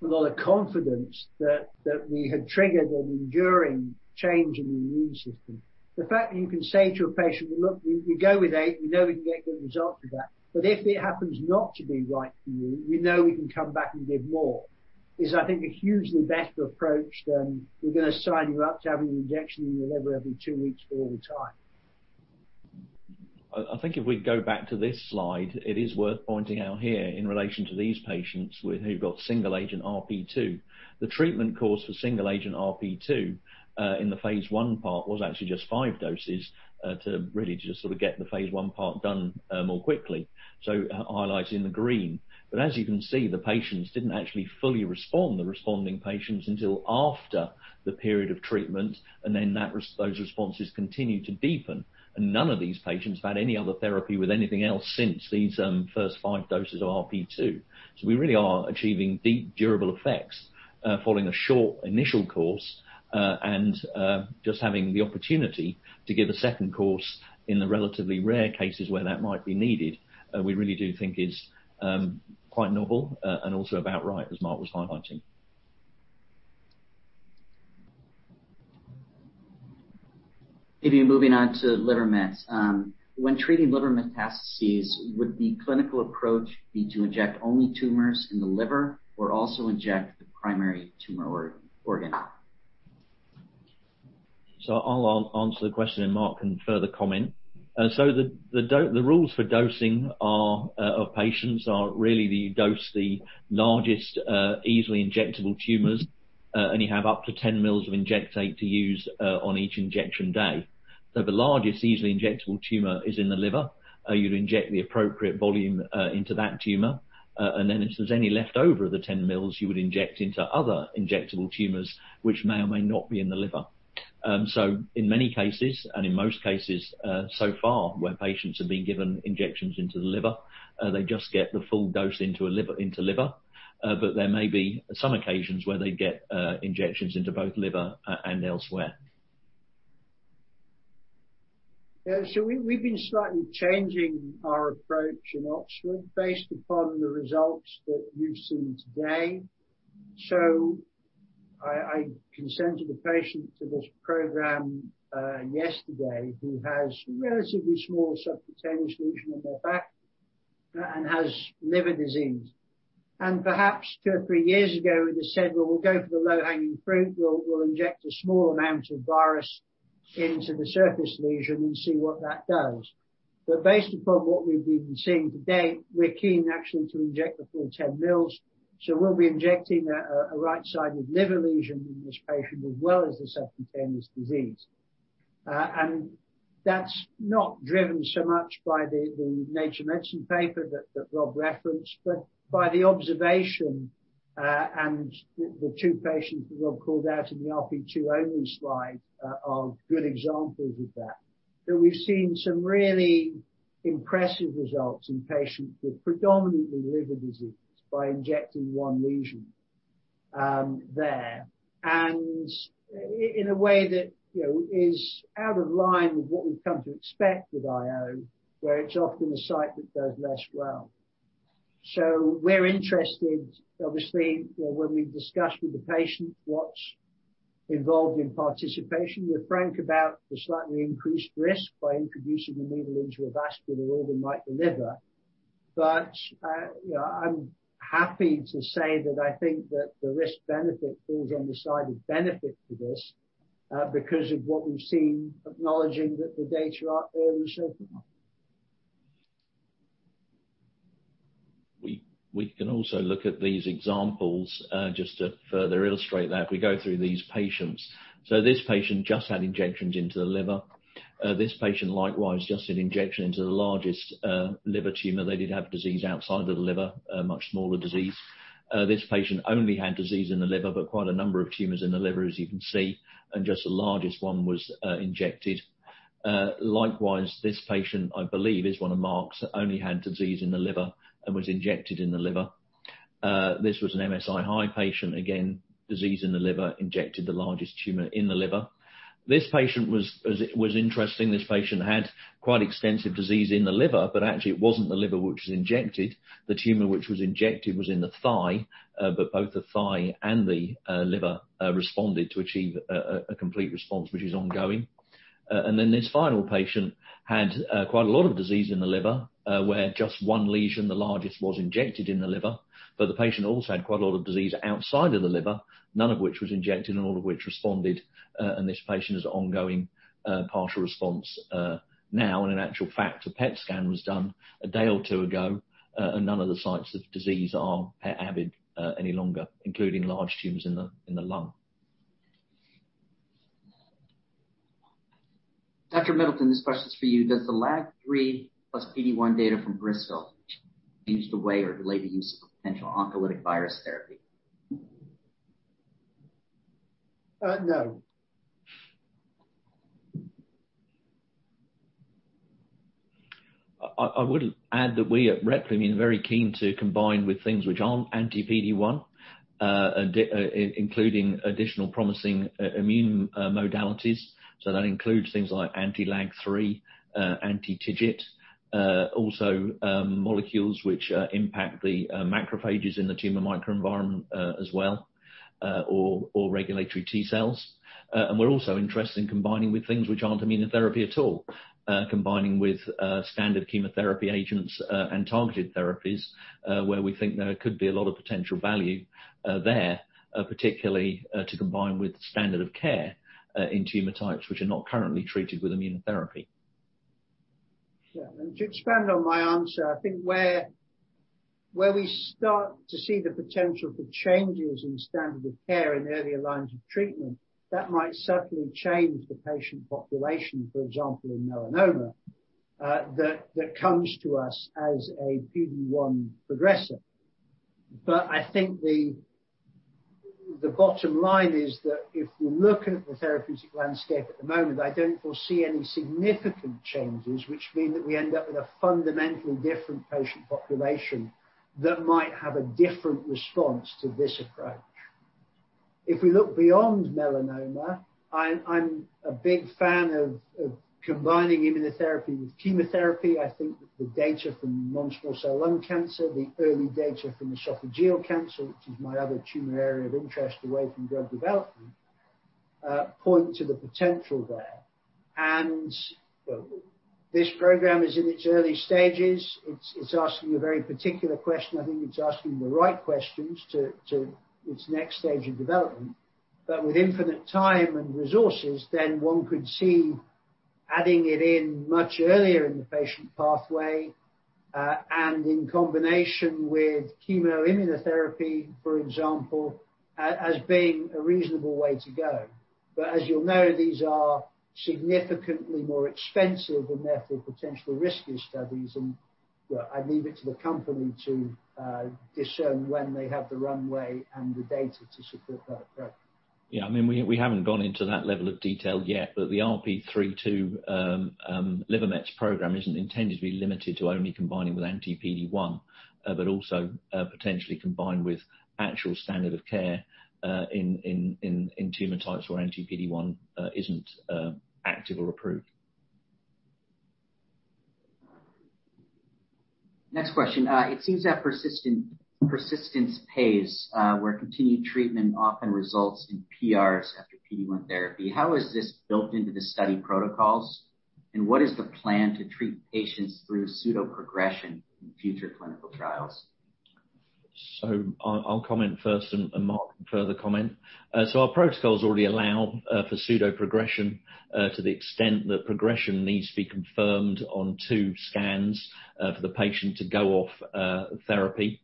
lot of confidence that we had triggered an enduring change in the immune system. The fact that you can say to a patient, "Look, we go with eight, we know we can get good results with that, but if it happens not to be right for you, we know we can come back and give more," is, I think, a hugely better approach than "We're going to sign you up to have an injection in your liver every two weeks for all time. I think if we go back to this slide, it is worth pointing out here in relation to these patients who got single agent RP2, the treatment course for single agent RP2 in the phase I part was actually just five doses to really just sort of get the phase I part done more quickly. Highlighted in the green. As you can see, the patients didn't actually fully respond, the responding patients, until after the period of treatment, and then those responses continued to deepen. None of these patients have had any other therapy with anything else since these first five doses of RP2. We really are achieving deep, durable effects following a short initial course, and just having the opportunity to give a second course in the relatively rare cases where that might be needed, we really do think is quite novel and also about right as Mark was highlighting. Okay. Moving on to liver mets. When treating liver metastases, would the clinical approach be to inject only tumors in the liver or also inject the primary tumor organ? I'll answer the question, and Mark can further comment. The rules for dosing of patients are really you dose the largest easily injectable tumors, and you have up to 10 mils of injectate to use on each injection day. If the largest easily injectable tumor is in the liver, you'd inject the appropriate volume into that tumor, and then if there's any leftover of the 10 mils, you would inject into other injectable tumors, which may or may not be in the liver. In many cases, and in most cases so far, where patients have been given injections into the liver, they just get the full dose into liver. There may be some occasions where they get injections into both liver and elsewhere. We've been slightly changing our approach in Oxford based upon the results that we've seen today. I consented a patient to this program yesterday who has a relatively small subcutaneous lesion on their back and has liver disease. Perhaps two or three years ago, we'd have said, "Well, we'll go for the low-hanging fruit. We'll inject a small amount of virus into the surface lesion and see what that does." Based upon what we've been seeing to date, we're keen actually to inject the full 10 mils. We'll be injecting a right-sided liver lesion in this patient as well as the subcutaneous disease. That's not driven so much by the Nature Medicine paper that Rob referenced, but by the observation, and the two patients that Rob called out in the RP2 only slide are good examples of that. We've seen some really impressive results in patients with predominantly liver disease by injecting one lesion there, and in a way that is out of line with what we've come to expect with IO, where it's often the site that does less well. We're interested, obviously, or when we've discussed with the patient what's involved in participation, we're frank about the slightly increased risk by introducing a needle into a vascular organ like the liver. I'm happy to say that I think that the risk-benefit falls on the side of benefit for this because of what we've seen, acknowledging that the data aren't there and so forth. We can also look at these examples just to further illustrate that if we go through these patients. This patient just had injections into the liver. This patient likewise just had injection into the largest liver tumor. They did have disease outside of the liver, a much smaller disease. This patient only had disease in the liver, but quite a number of tumors in the liver, as you can see, and just the largest one was injected. Likewise, this patient, I believe, is one of Mark's, only had disease in the liver and was injected in the liver. This was an MSI high patient. Again, disease in the liver, injected the largest tumor in the liver. This patient was interesting. This patient had quite extensive disease in the liver, but actually it wasn't the liver which was injected. The tumor which was injected was in the thigh, but both the thigh and the liver responded to achieve a complete response, which is ongoing. This final patient had quite a lot of disease in the liver where just one lesion, the largest, was injected in the liver. The patient also had quite a lot of disease outside of the liver, none of which was injected and all of which responded, and this patient is ongoing partial response now. In actual fact, a PET scan was done a day or two ago, and none of the sites of disease are avid any longer, including large tumors in the lung. Dr. Middleton, this question is for you. Does the LAG-3 plus PD-1 data from Bristol change the way or the way to use potential oncolytic virus therapy? No. I would add that we at Replimune are very keen to combine with things which aren't anti-PD-1, including additional promising immune modalities. That includes things like anti-LAG-3, anti-TIGIT, also molecules which impact the macrophages in the tumor microenvironment as well or regulatory T cells. We're also interested in combining with things which aren't immunotherapy at all, combining with standard chemotherapy agents and targeted therapies where we think there could be a lot of potential value there, particularly to combine with standard of care in tumor types which are not currently treated with immunotherapy. Yeah. To expand on my answer, I think where we start to see the potential for changes in standard of care in early lines of treatment, that might certainly change the patient population, for example, in melanoma that comes to us as a PD-1 progressor. I think the bottom line is that if we look at the therapeutic landscape at the moment, I don't foresee any significant changes which mean that we end up with a fundamentally different patient population that might have a different response to this approach. If we look beyond melanoma, I'm a big fan of combining immunotherapy with chemotherapy. I think that the data from non-small cell lung cancer, the early data from esophageal cancer, which is my other tumor area of interest away from drug development, point to the potential there. This program is in its early stages. It's asking a very particular question. I think it's asking the right questions to its next stage of development. With infinite time and resources, then one could see adding it in much earlier in the patient pathway, and in combination with chemoimmunotherapy, for example, as being a reasonable way to go. As you'll know, these are significantly more expensive and therefore potentially riskier studies, and I leave it to the company to discern when they have the runway and the data to support that breadth. Yeah, we haven't gone into that level of detail yet, but the RP3-2 liver mets program isn't intended to be limited to only combining with anti-PD-1, but also potentially combined with actual standard of care in tumor types where anti-PD-1 isn't active or approved. Next question. It seems that persistence pays, where continued treatment often results in PRs after PD-1 therapy. How is this built into the study protocols, and what is the plan to treat patients through pseudoprogression in future clinical trials? I'll comment first, and Mark can further comment. Our protocols already allow for pseudoprogression to the extent that progression needs to be confirmed on two scans for the patient to go off therapy.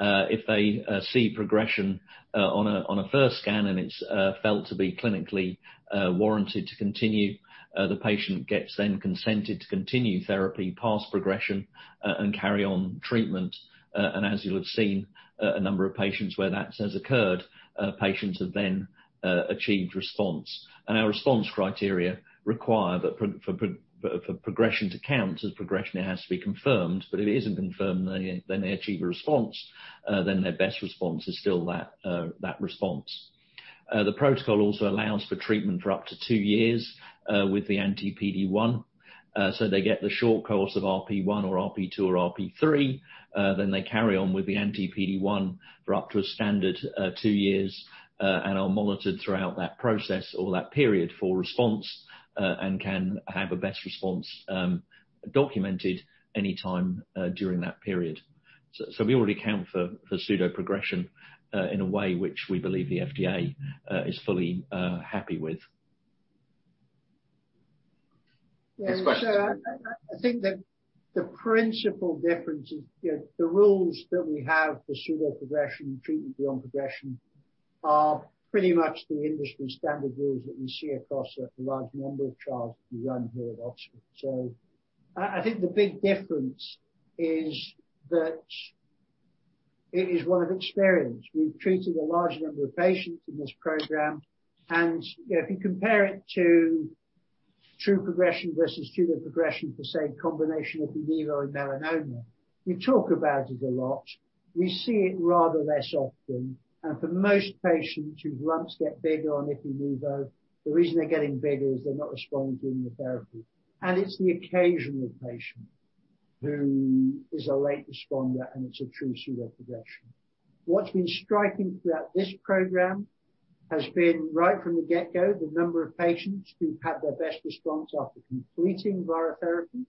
If they see progression on a first scan and it's felt to be clinically warranted to continue, the patient gets then consented to continue therapy past progression and carry on treatment. As you'll have seen, a number of patients where that has occurred, patients have then achieved response. Our response criteria require that for progression to count as progression, it has to be confirmed. If it isn't confirmed, then they achieve a response, then their best response is still that response. The protocol also allows for treatment for up to two years with the anti-PD-1. They get the short course of RP1 or RP2 or RP3, then they carry on with the anti-PD-1 for up to a standard two years and are monitored throughout that process or that period for response and can have a best response documented anytime during that period. We already account for pseudoprogression in a way which we believe the FDA is fully happy with. I think that the principal difference is the rules that we have for pseudoprogression and treatment beyond progression are pretty much the industry-standard rules that we see across a large number of trials that we run here at Oxford. I think the big difference is that it is one of experience. We've treated a large number of patients in this program, and if you compare it to true progression versus pseudoprogression for, say, a combination of ipi/nivo and melanoma, we talk about it a lot. We see it rather less often, and for most patients whose lumps get bigger on ipilimumab/nivo, the reason they're getting bigger is they're not responding to the therapy. It's the occasional patient who is a late responder, and it's a true pseudoprogression. What's been striking throughout this program has been right from the get-go, the number of patients who've had their best response after completing virotherapy,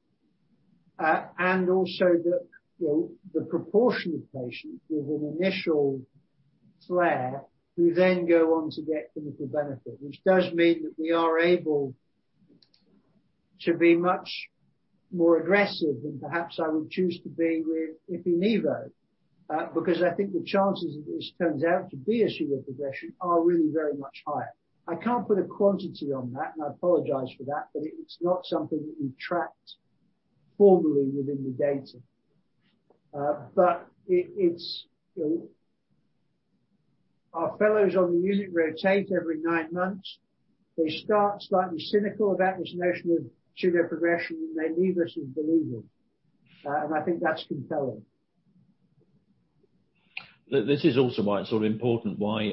and also the proportion of patients with an initial flare who then go on to get clinical benefit. Which does mean that we are able to be much more aggressive than perhaps I would choose to be with ipilimumab/nivo because I think the chances that this turns out to be a pseudoprogression are really very much higher. I can't put a quantity on that, and I apologize for that, but it's not something that we've tracked formally within the data. Our fellows only rotate every nine months. They start slightly cynical about this notion of pseudoprogression, and they leave us and believe it, and I think that's compelling. This is also why it's sort of important why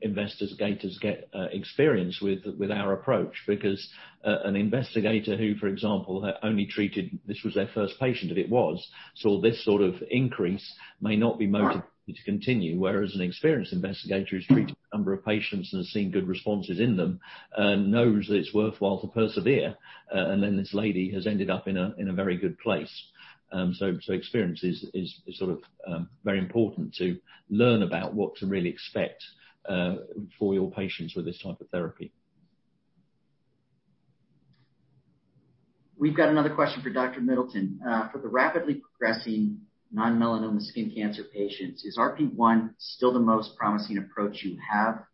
investigators get experience with our approach, because an investigator who, for example, had only treated, this was their first patient that it was, saw this sort of increase may not be motivated to continue, whereas an experienced investigator who's treated a number of patients and seen good responses in them knows that it's worthwhile to persevere. This lady has ended up in a very good place. Experience is very important to learn about what to really expect for your patients with this type of therapy. We've got another question for Dr. Middleton. For the rapidly progressing non-melanoma skin cancer patients, is RP1 still the most promising approach you have?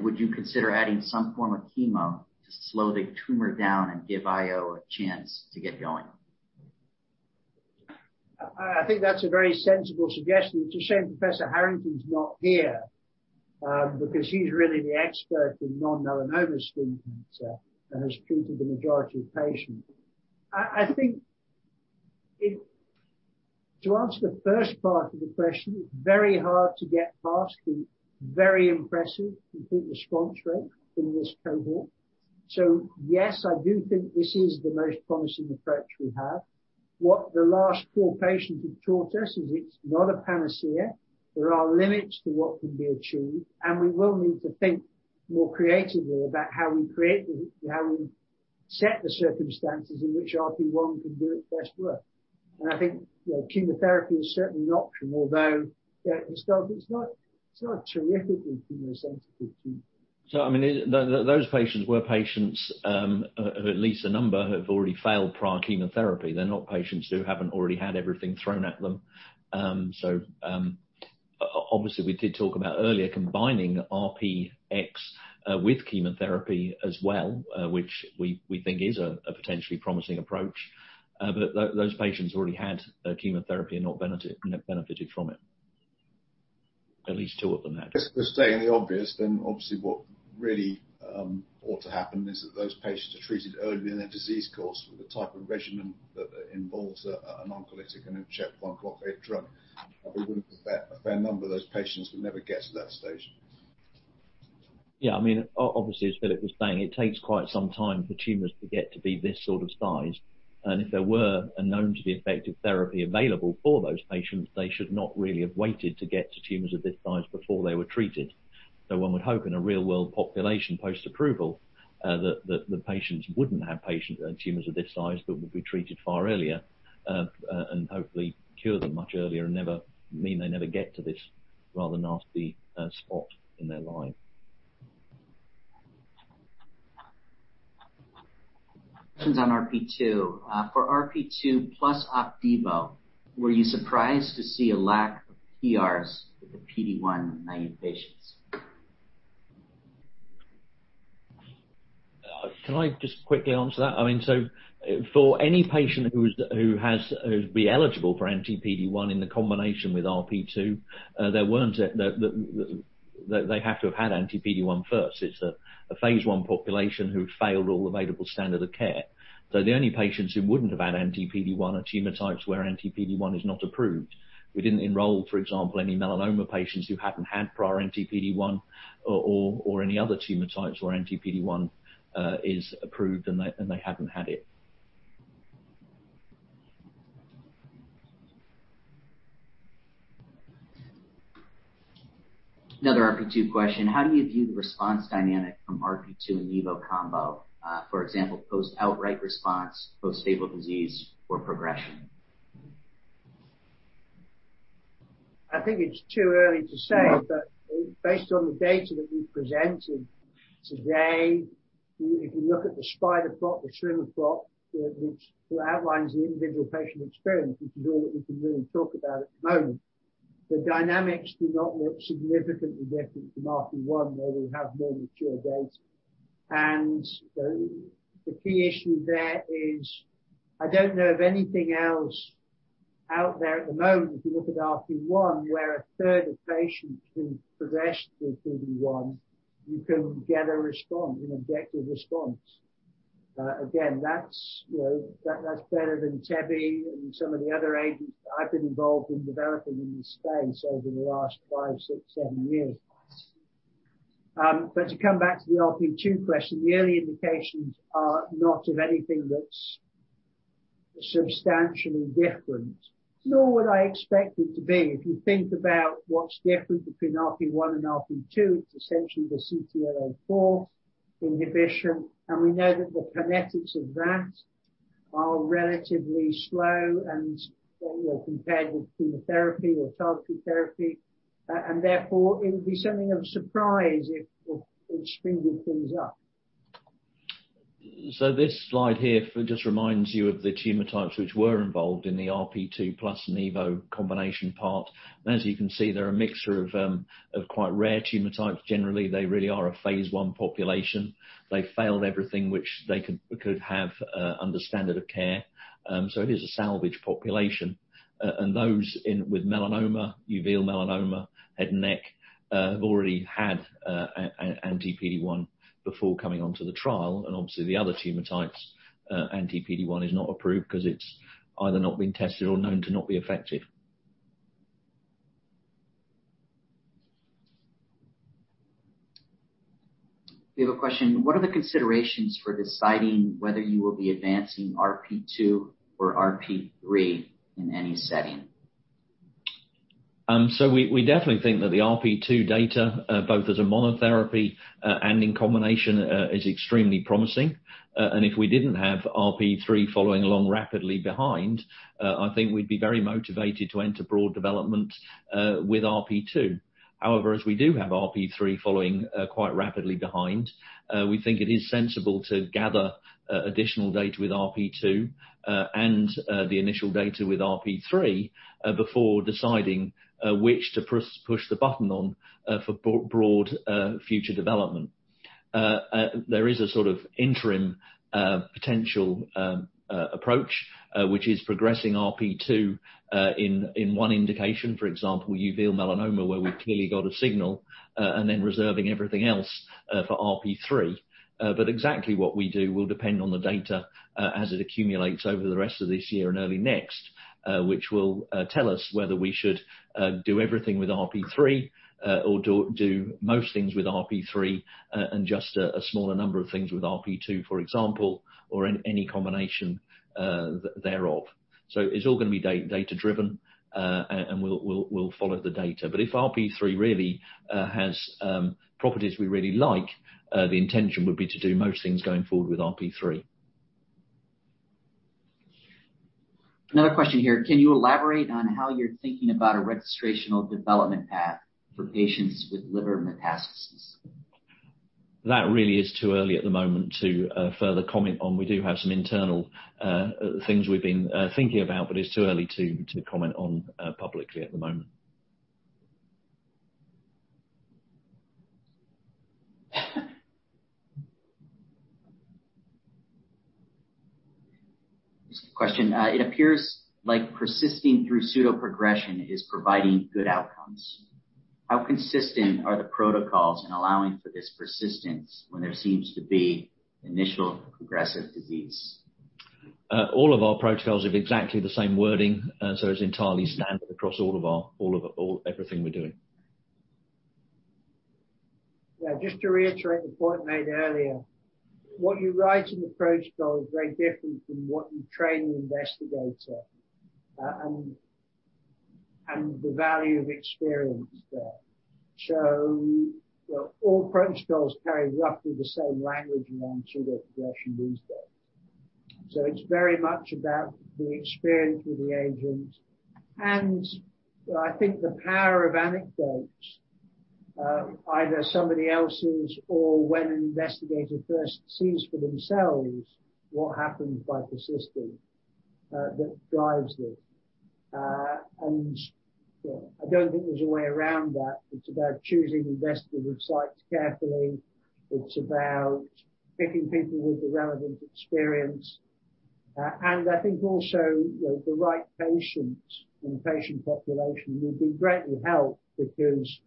Would you consider adding some form of chemo to slow the tumor down and give IO a chance to get going? I think that's a very sensible suggestion. It's a shame Professor Harrington's not here because he's really the expert in non-melanoma skin cancer and has treated the majority of patients. I think to answer the first part of the question, it's very hard to get past and very impressive complete response rate in this cohort. Yes, I do think this is the most promising approach we have. What the last four patients have taught us is it's not a panacea. There are limits to what can be achieved, and we will need to think more creatively about how we set the circumstances in which RP1 can do its best work. I think chemotherapy is certainly an option, although it's not a terrifically chemo-sensitive tumor. Those patients were patients, at least a number, who have already failed prior chemotherapy. They're not patients who haven't already had everything thrown at them. Obviously, we did talk about earlier combining RP1 with chemotherapy as well, which we think is a potentially promising approach. Those patients already had chemotherapy and not benefited from it, at least two at the max. If we're stating the obvious, then obviously what really ought to happen is that those patients are treated early in their disease course with a type of regimen that involves an oncolytic and a checkpoint blockade drug. We would have a fair number of those patients who never get to that stage. Yeah. Obviously, as Philip was saying, it takes quite some time for tumors to get to be this sort of size, and if there were a known to be effective therapy available for those patients, they should not really have waited to get to tumors of this size before they were treated. One would hope in a real-world population post-approval that the patients wouldn't have tumors of this size but would be treated far earlier, and hopefully cure them much earlier and mean they never get to this rather nasty spot in their life. Questions on RP2. For RP2 plus Opdivo, were you surprised to see a lack of PRs with the PD-1 in nine patients? Can I just quickly answer that? For any patient who'd be eligible for anti-PD-1 in the combination with RP2, they have to have had anti-PD-1 first. It's a Phase I population who've failed all available standard of care. The only patients who wouldn't have had anti-PD-1 are tumor types where anti-PD-1 is not approved. We didn't enroll, for example, any melanoma patients who haven't had prior anti-PD-1 or any other tumor types where anti-PD-1 is approved and they haven't had it. Another RP2 question. How do you view the response dynamic from RP2 and nivo combo? For example, post outright response, post stable disease or progression? I think it's too early to say, but based on the data that we've presented today, if you look at the spider plot, the swimmer plot, which outlines the individual patient experience, which is all that we can really talk about at the moment, the dynamics do not look significantly different from RP1, where we have more mature data. The key issue there is I don't know of anything else out there at the moment, if you look at RP1, where a third of patients who've progressed with PD-1, you can get an objective response. Again, that's better than tebentafusp and some of the other agents that I've been involved in developing in this space over the last five, six, seven years. To come back to the RP2 question, the early indications are not of anything that's substantially different. It's not what I expect it to be. If you think about what is different between RP1 and RP2, it is essentially the CTLA-4 inhibition, and we know that the kinetics of that are relatively slow and more compared with chemotherapy or targeted therapy, and therefore it would be something of surprise if it speeded things up. This slide here just reminds you of the tumor types which were involved in the RP2 plus nivo combination part. As you can see, they're a mixture of quite rare tumor types. Generally, they really are a phase I population. They failed everything which they could have under standard of care. It is a salvage population. Those with melanoma, uveal melanoma, head and neck, have already had anti-PD-1 before coming onto the trial. Obviously the other tumor types, anti-PD-1 is not approved because it's either not been tested or known to not be effective. We have a question: what are the considerations for deciding whether you will be advancing RP2 or RP3 in any setting? We definitely think that the RP2 data, both as a monotherapy and in combination, is extremely promising. If we didn't have RP3 following along rapidly behind, I think we'd be very motivated to enter broad development with RP2. However, as we do have RP3 following quite rapidly behind, we think it is sensible to gather additional data with RP2 and the initial data with RP3 before deciding which to push the button on for broad future development. There is a sort of interim potential approach, which is progressing RP2 in 1 indication, for example, uveal melanoma where we've clearly got a signal, and then reserving everything else for RP3. Exactly what we do will depend on the data as it accumulates over the rest of this year and early next, which will tell us whether we should do everything with RP3 or do most things with RP3 and just a smaller number of things with RP2, for example, or any combination thereof. It's all going to be data-driven, and we'll follow the data. If RP3 really has properties we really like, the intention would be to do most things going forward with RP3. Another question here: Can you elaborate on how you're thinking about a registrational development path for patients with liver metastases? That really is too early at the moment to further comment on. We do have some internal things we've been thinking about, but it's too early to comment on publicly at the moment. Question. It appears like persisting through pseudoprogression is providing good outcomes. How consistent are the protocols in allowing for this persistence when there seems to be initial progressive disease? All of our protocols have exactly the same wording, so it's entirely standard across everything we're doing. Just to reiterate the point made earlier, what you write in the protocol is very different from what you train the investigator, and the value of experience there. All protocols carry roughly the same language around pseudoprogression these days. It's very much about the experience with the agent, and I think the power of anecdotes, either somebody else's or when an investigator first sees for themselves what happens by persisting, that drives this. I don't think there's a way around that. It's about choosing investigative sites carefully. It's about picking people with the relevant experience. I think also, the right patient and patient population will be greatly helped because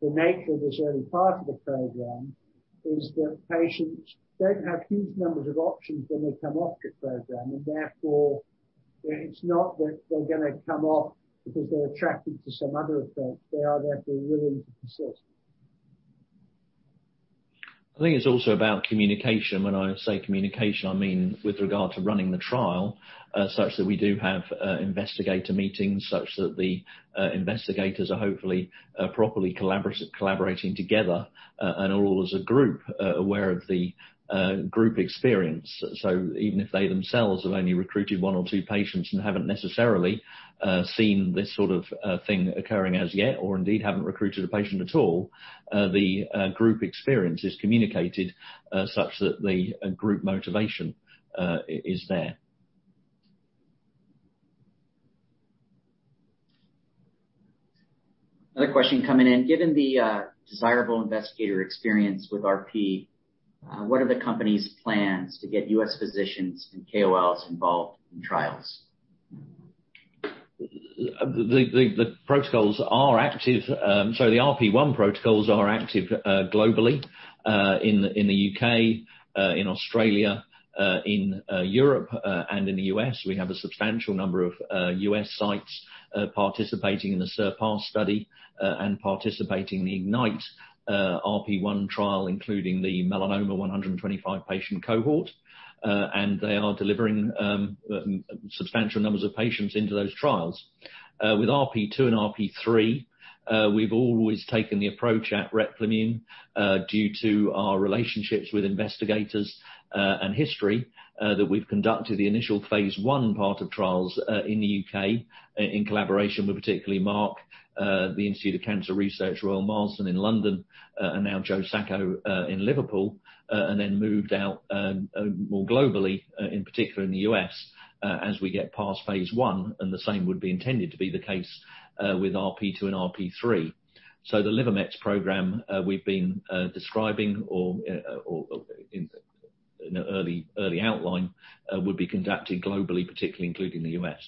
the nature of this early part of the program is that patients don't have huge numbers of options when they come off the program. Therefore, it's not that they're going to come off because they're attracted to some other approach. They are therefore willing to persist. I think it's also about communication. When I say communication, I mean with regard to running the trial, such that we do have investigator meetings, such that the investigators are hopefully properly collaborating together and all as a group, aware of the group experience. Even if they themselves have only recruited one or two patients and haven't necessarily seen this sort of thing occurring as yet, or indeed haven't recruited a patient at all, the group experience is communicated, such that the group motivation is there. Another question coming in. Given the desirable investigator experience with RP, what are the company's plans to get U.S. physicians and KOLs involved in trials? The protocols are active. The RP1 protocols are active globally, in the U.K., in Australia, in Europe, and in the U.S. We have a substantial number of U.S. sites participating in the SURPASS study and participating in IGNYTE RP1 trial, including the melanoma 125-patient cohort. They are delivering substantial numbers of patients into those trials. With RP2 and RP3, we've always taken the approach at Replimune, due to our relationships with investigators and history, that we've conducted the initial Phase I part of trials in the U.K. in collaboration with particularly Mark, The Institute of Cancer Research, Royal Marsden in London, and now Joe Sacco in Liverpool, and then moved out more globally, in particular in the U.S., as we get past Phase I. The same would be intended to be the case with RP2 and RP3.The liver mets program we've been describing or in an early outline, would be conducted globally, particularly including the U.S.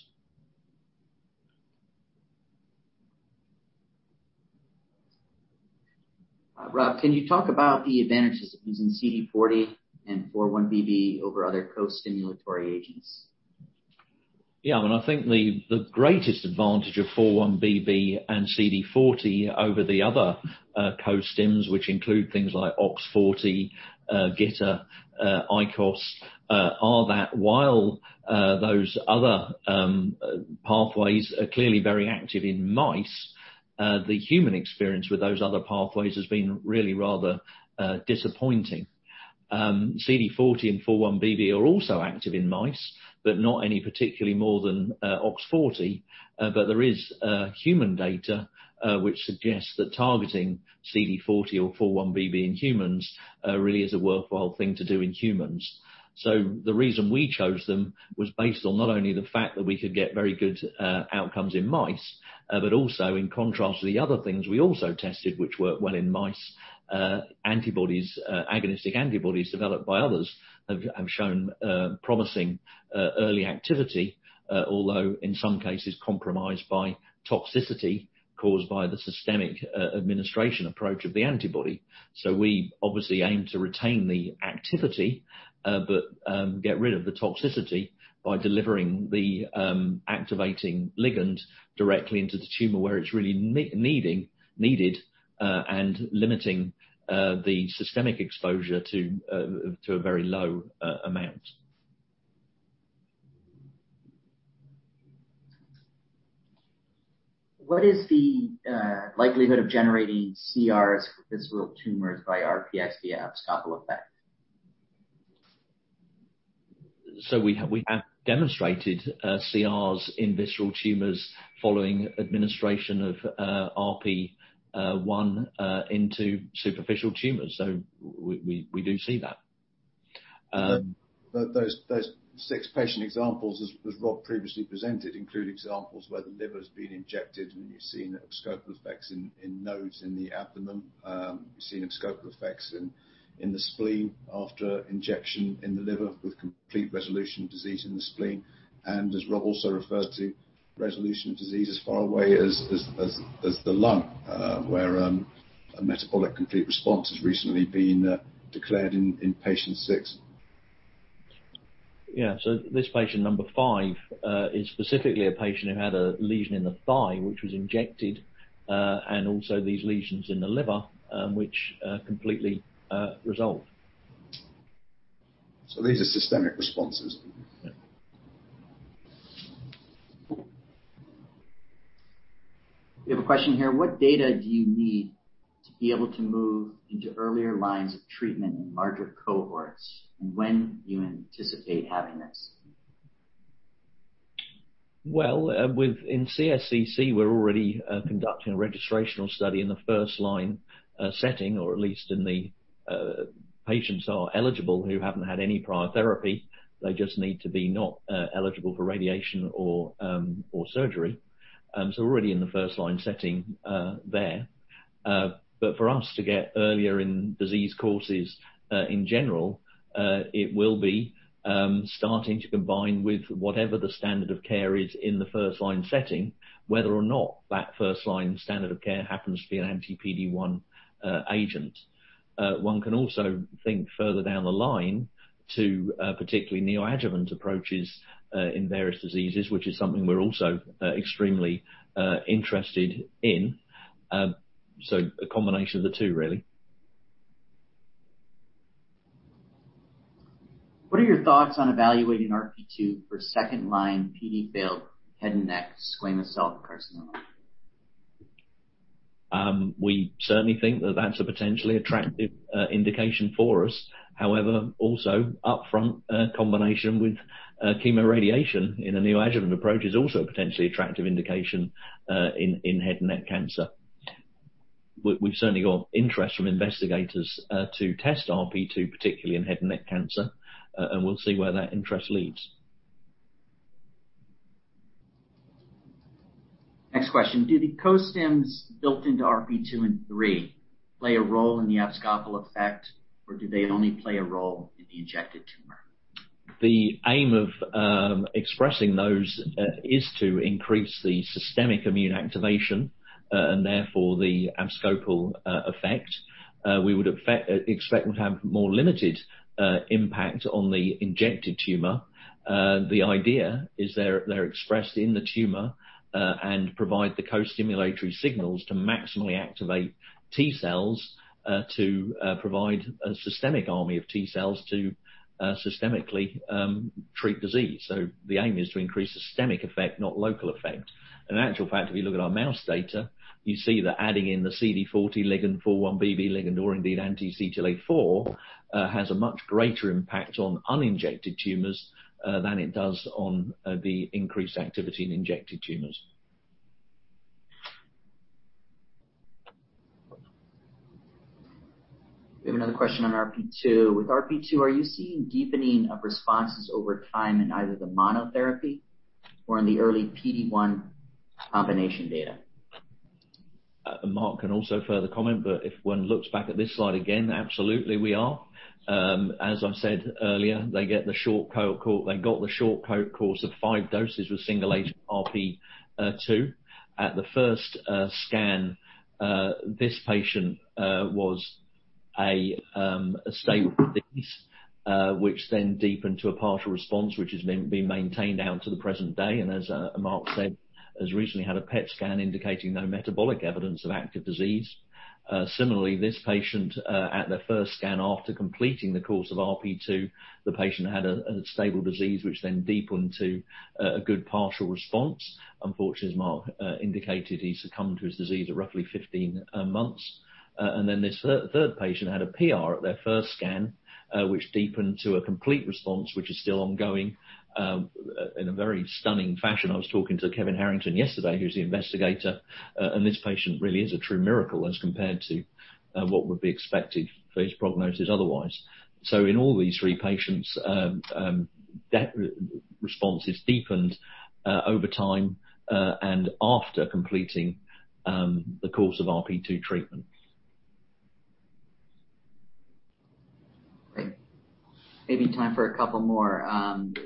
Rob, can you talk about the advantages of using CD40 and 4-1BB over other co-stimulatory agents? Yeah. I think the greatest advantage of 4-1BB and CD40 over the other co-stims, which include things like OX40, GITR, ICOS, HVEM, while those other pathways are clearly very active in mice, the human experience with those other pathways has been really rather disappointing. CD40 and 4-1BB are also active in mice, but not any particularly more than OX40. There is human data which suggests that targeting CD40 or 4-1BB in humans really is a worthwhile thing to do in humans. The reason we chose them was based on not only the fact that we could get very good outcomes in mice, but also in contrast to the other things we also tested, which worked well in mice. Antibodies, agonistic antibodies developed by others have shown promising early activity, although in some cases compromised by toxicity caused by the systemic administration approach of the antibody. We obviously aim to retain the activity, but get rid of the toxicity by delivering the activating ligand directly into the tumor where it's really needed, and limiting the systemic exposure to a very low amount. What is the likelihood of generating CRs with visceral tumors by RPS-EFs toggle effect? We have demonstrated CRs in visceral tumors following administration of RP1 into superficial tumors. We do see that. Those six patient examples, as Rob previously presented, include examples where the liver's been injected, and you're seeing abscopal effects in nodes in the abdomen. You're seeing abscopal effects in the spleen after injection in the liver with complete resolution of disease in the spleen, and as Rob also refers to, resolution of disease as far away as the lung, where a metabolic complete response has recently been declared in patient 6. This patient number 5 is specifically a patient who had a lesion in the thigh, which was injected, and also these lesions in the liver, which completely resolved. These are systemic responses. We have a question here. What data do you need to be able to move into earlier lines of treatment in larger cohorts? When do you anticipate having this? In CSCC, we're already conducting a registrational study in the first-line setting, or at least in the patients are eligible who haven't had any prior therapy. They just need to be not eligible for radiation or surgery. We're already in the first-line setting there. For us to get earlier in disease courses in general, it will be starting to combine with whatever the standard of care is in the first-line setting, whether or not that first-line standard of care happens to be an anti-PD-1 agent. One can also think further down the line to particularly neoadjuvant approaches in various diseases, which is something we're also extremely interested in. A combination of the two, really. What are your thoughts on evaluating RP2 for second-line PD-failed head and neck squamous cell carcinoma? We certainly think that that's a potentially attractive indication for us. Also upfront combination with chemoradiation in a neoadjuvant approach is also a potentially attractive indication in head and neck cancer. We've certainly got interest from investigators to test RP2, particularly in head and neck cancer, and we'll see where that interest leads. Next question. Do the costims built into RP2 and 3 play a role in the abscopal effect, or do they only play a role in the injected tumor? The aim of expressing those is to increase the systemic immune activation and therefore the abscopal effect. We would expect would have more limited impact on the injected tumor. The idea is they're expressed in the tumor and provide the costimulatory signals to maximally activate T cells to provide a systemic army of T cells to systemically treat disease. The aim is to increase systemic effect, not local effect. In actual fact, if you look at our mouse data, you see that adding in the CD40 ligand, 4-1BB ligand, or indeed anti-CTLA-4 has a much greater impact on uninjected tumors than it does on the increased activity in injected tumors. We have another question on RP2. With RP2, are you seeing a deepening of responses over time in either the monotherapy or in the early PD-1 combination data? Mark can also further comment, but if one looks back at this slide again, absolutely we are. As I said earlier, they got the short poke course of five doses of single agent RP2. At the first scan, this patient was a stable disease, which then deepened to a partial response, which has been maintained down to the present day, and as Mark said, has recently had a PET scan indicating no metabolic evidence of active disease. Similarly, this patient at their first scan after completing the course of RP2, the patient had a stable disease, which then deepened to a good partial response. Unfortunately, as Mark indicated, he succumbed to his disease at roughly 15 months. This third patient had a PR at their first scan which deepened to a complete response, which is still ongoing in a very stunning fashion. I was talking to Kevin Harrington yesterday, who's the investigator, and this patient really is a true miracle as compared to what would be expected if he was progresses otherwise. In all these three patients, responses deepened over time and after completing the course of RP2 treatment. Great. Maybe time for a couple more.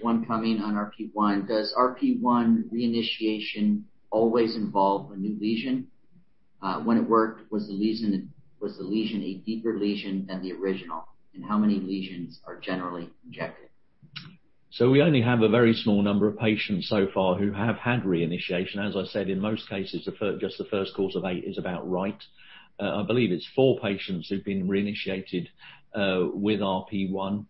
One coming on RP1. Does RP1 reinitiation always involve a new lesion? When it worked, was the lesion a deeper lesion than the original? How many lesions are generally injected? We only have a very small number of patients so far who have had reinitiation. As I said, in most cases, just the first course of eight is about right. I believe it's four patients who've been reinitiated with RP1.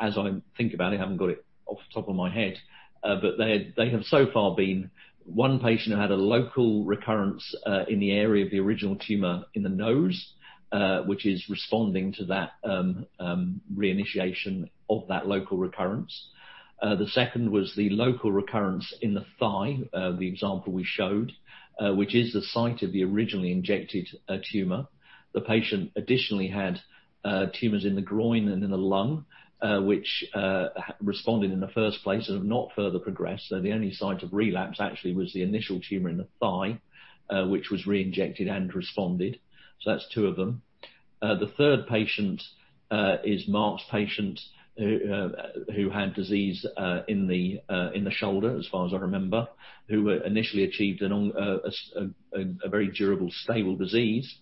As I think about it, I haven't got it off the top of my head. They have so far been one patient who had a local recurrence in the area of the original tumor in the nose, which is responding to that reinitiation of that local recurrence. The second was the local recurrence in the thigh, the example we showed, which is the site of the originally injected tumor. The patient additionally had tumors in the groin and in the lung, which responded in the first place and have not further progressed. The only site of relapse actually was the initial tumor in the thigh, which was reinjected and responded. That's two of them. The third patient is Mark's patient who had disease in the shoulder, as far as I remember, who initially achieved a very durable, stable disease.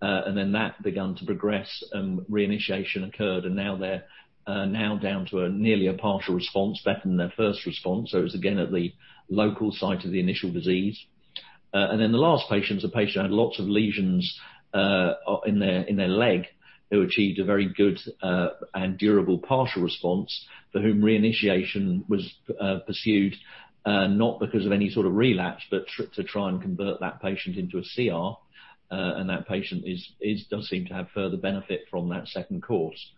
That began to progress and reinitiation occurred. Now they're now down to a nearly a partial response, better than their first response. It's again at the local site of the initial disease. The last patient's a patient who had lots of lesions in their leg, who achieved a very good and durable partial response, but whom reinitiation was pursued, not because of any sort of relapse, but to try and convert that patient into a CR. That patient does seem to have further benefit from that second course.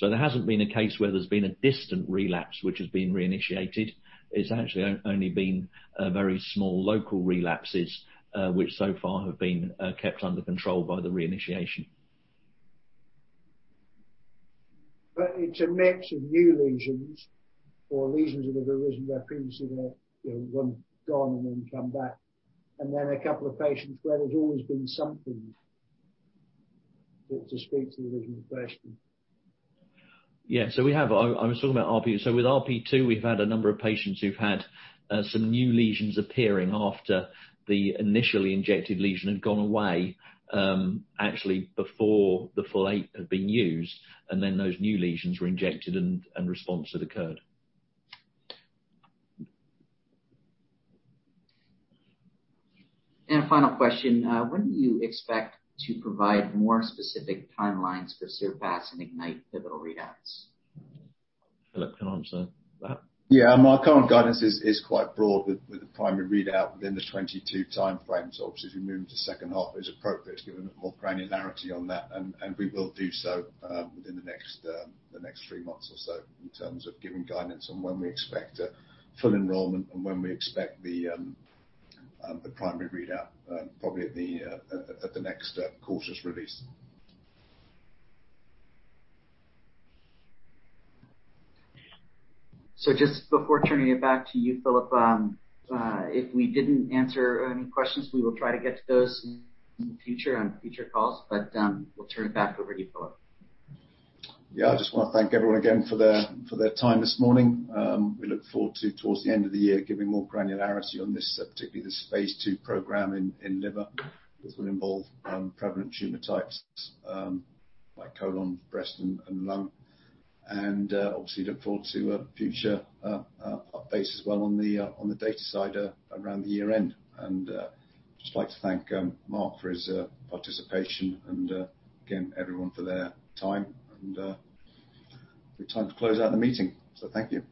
There hasn't been a case where there's been a distant relapse which has been reinitiated. It's actually only been very small local relapses, which so far have been kept under control by the reinitiation. It's a mix of new lesions or lesions that have arisen where previously they've gone and then come back, and then a couple of patients where there's always been something to speak to the original question. Yeah. I was talking about RP. With RP2, we've had a number of patients who've had some new lesions appearing after the initially injected lesion had gone away, actually before the full eight had been used, and then those new lesions were injected and response had occurred. Final question, when do you expect to provide more specific timelines for CERPASS and IGNYTE pivotal readouts? Philip, can answer that? Yeah. Our current guidance is quite broad with the primary readout within the 2022 time frames. As we move into the second half, it's appropriate to give a more granularity on that, and we will do so within the next three months or so in terms of giving guidance on when we expect a full enrollment and when we expect the primary readout, probably at the next quarterly release. Just before turning it back to you, Philip, if we didn't answer any questions, we will try to get to those in the future on future calls. We'll turn it back over to you, Philip. I just want to thank everyone again for their time this morning. We look forward to, towards the end of the year, giving more granularity on this, particularly this phase II program in liver, which will involve prevalent tumor types like colon, breast, and lung. Obviously look forward to a future update as well on the data side around the year-end. Just like to thank Mark for his participation and again, everyone for their time. Good time to close out the meeting. Thank you.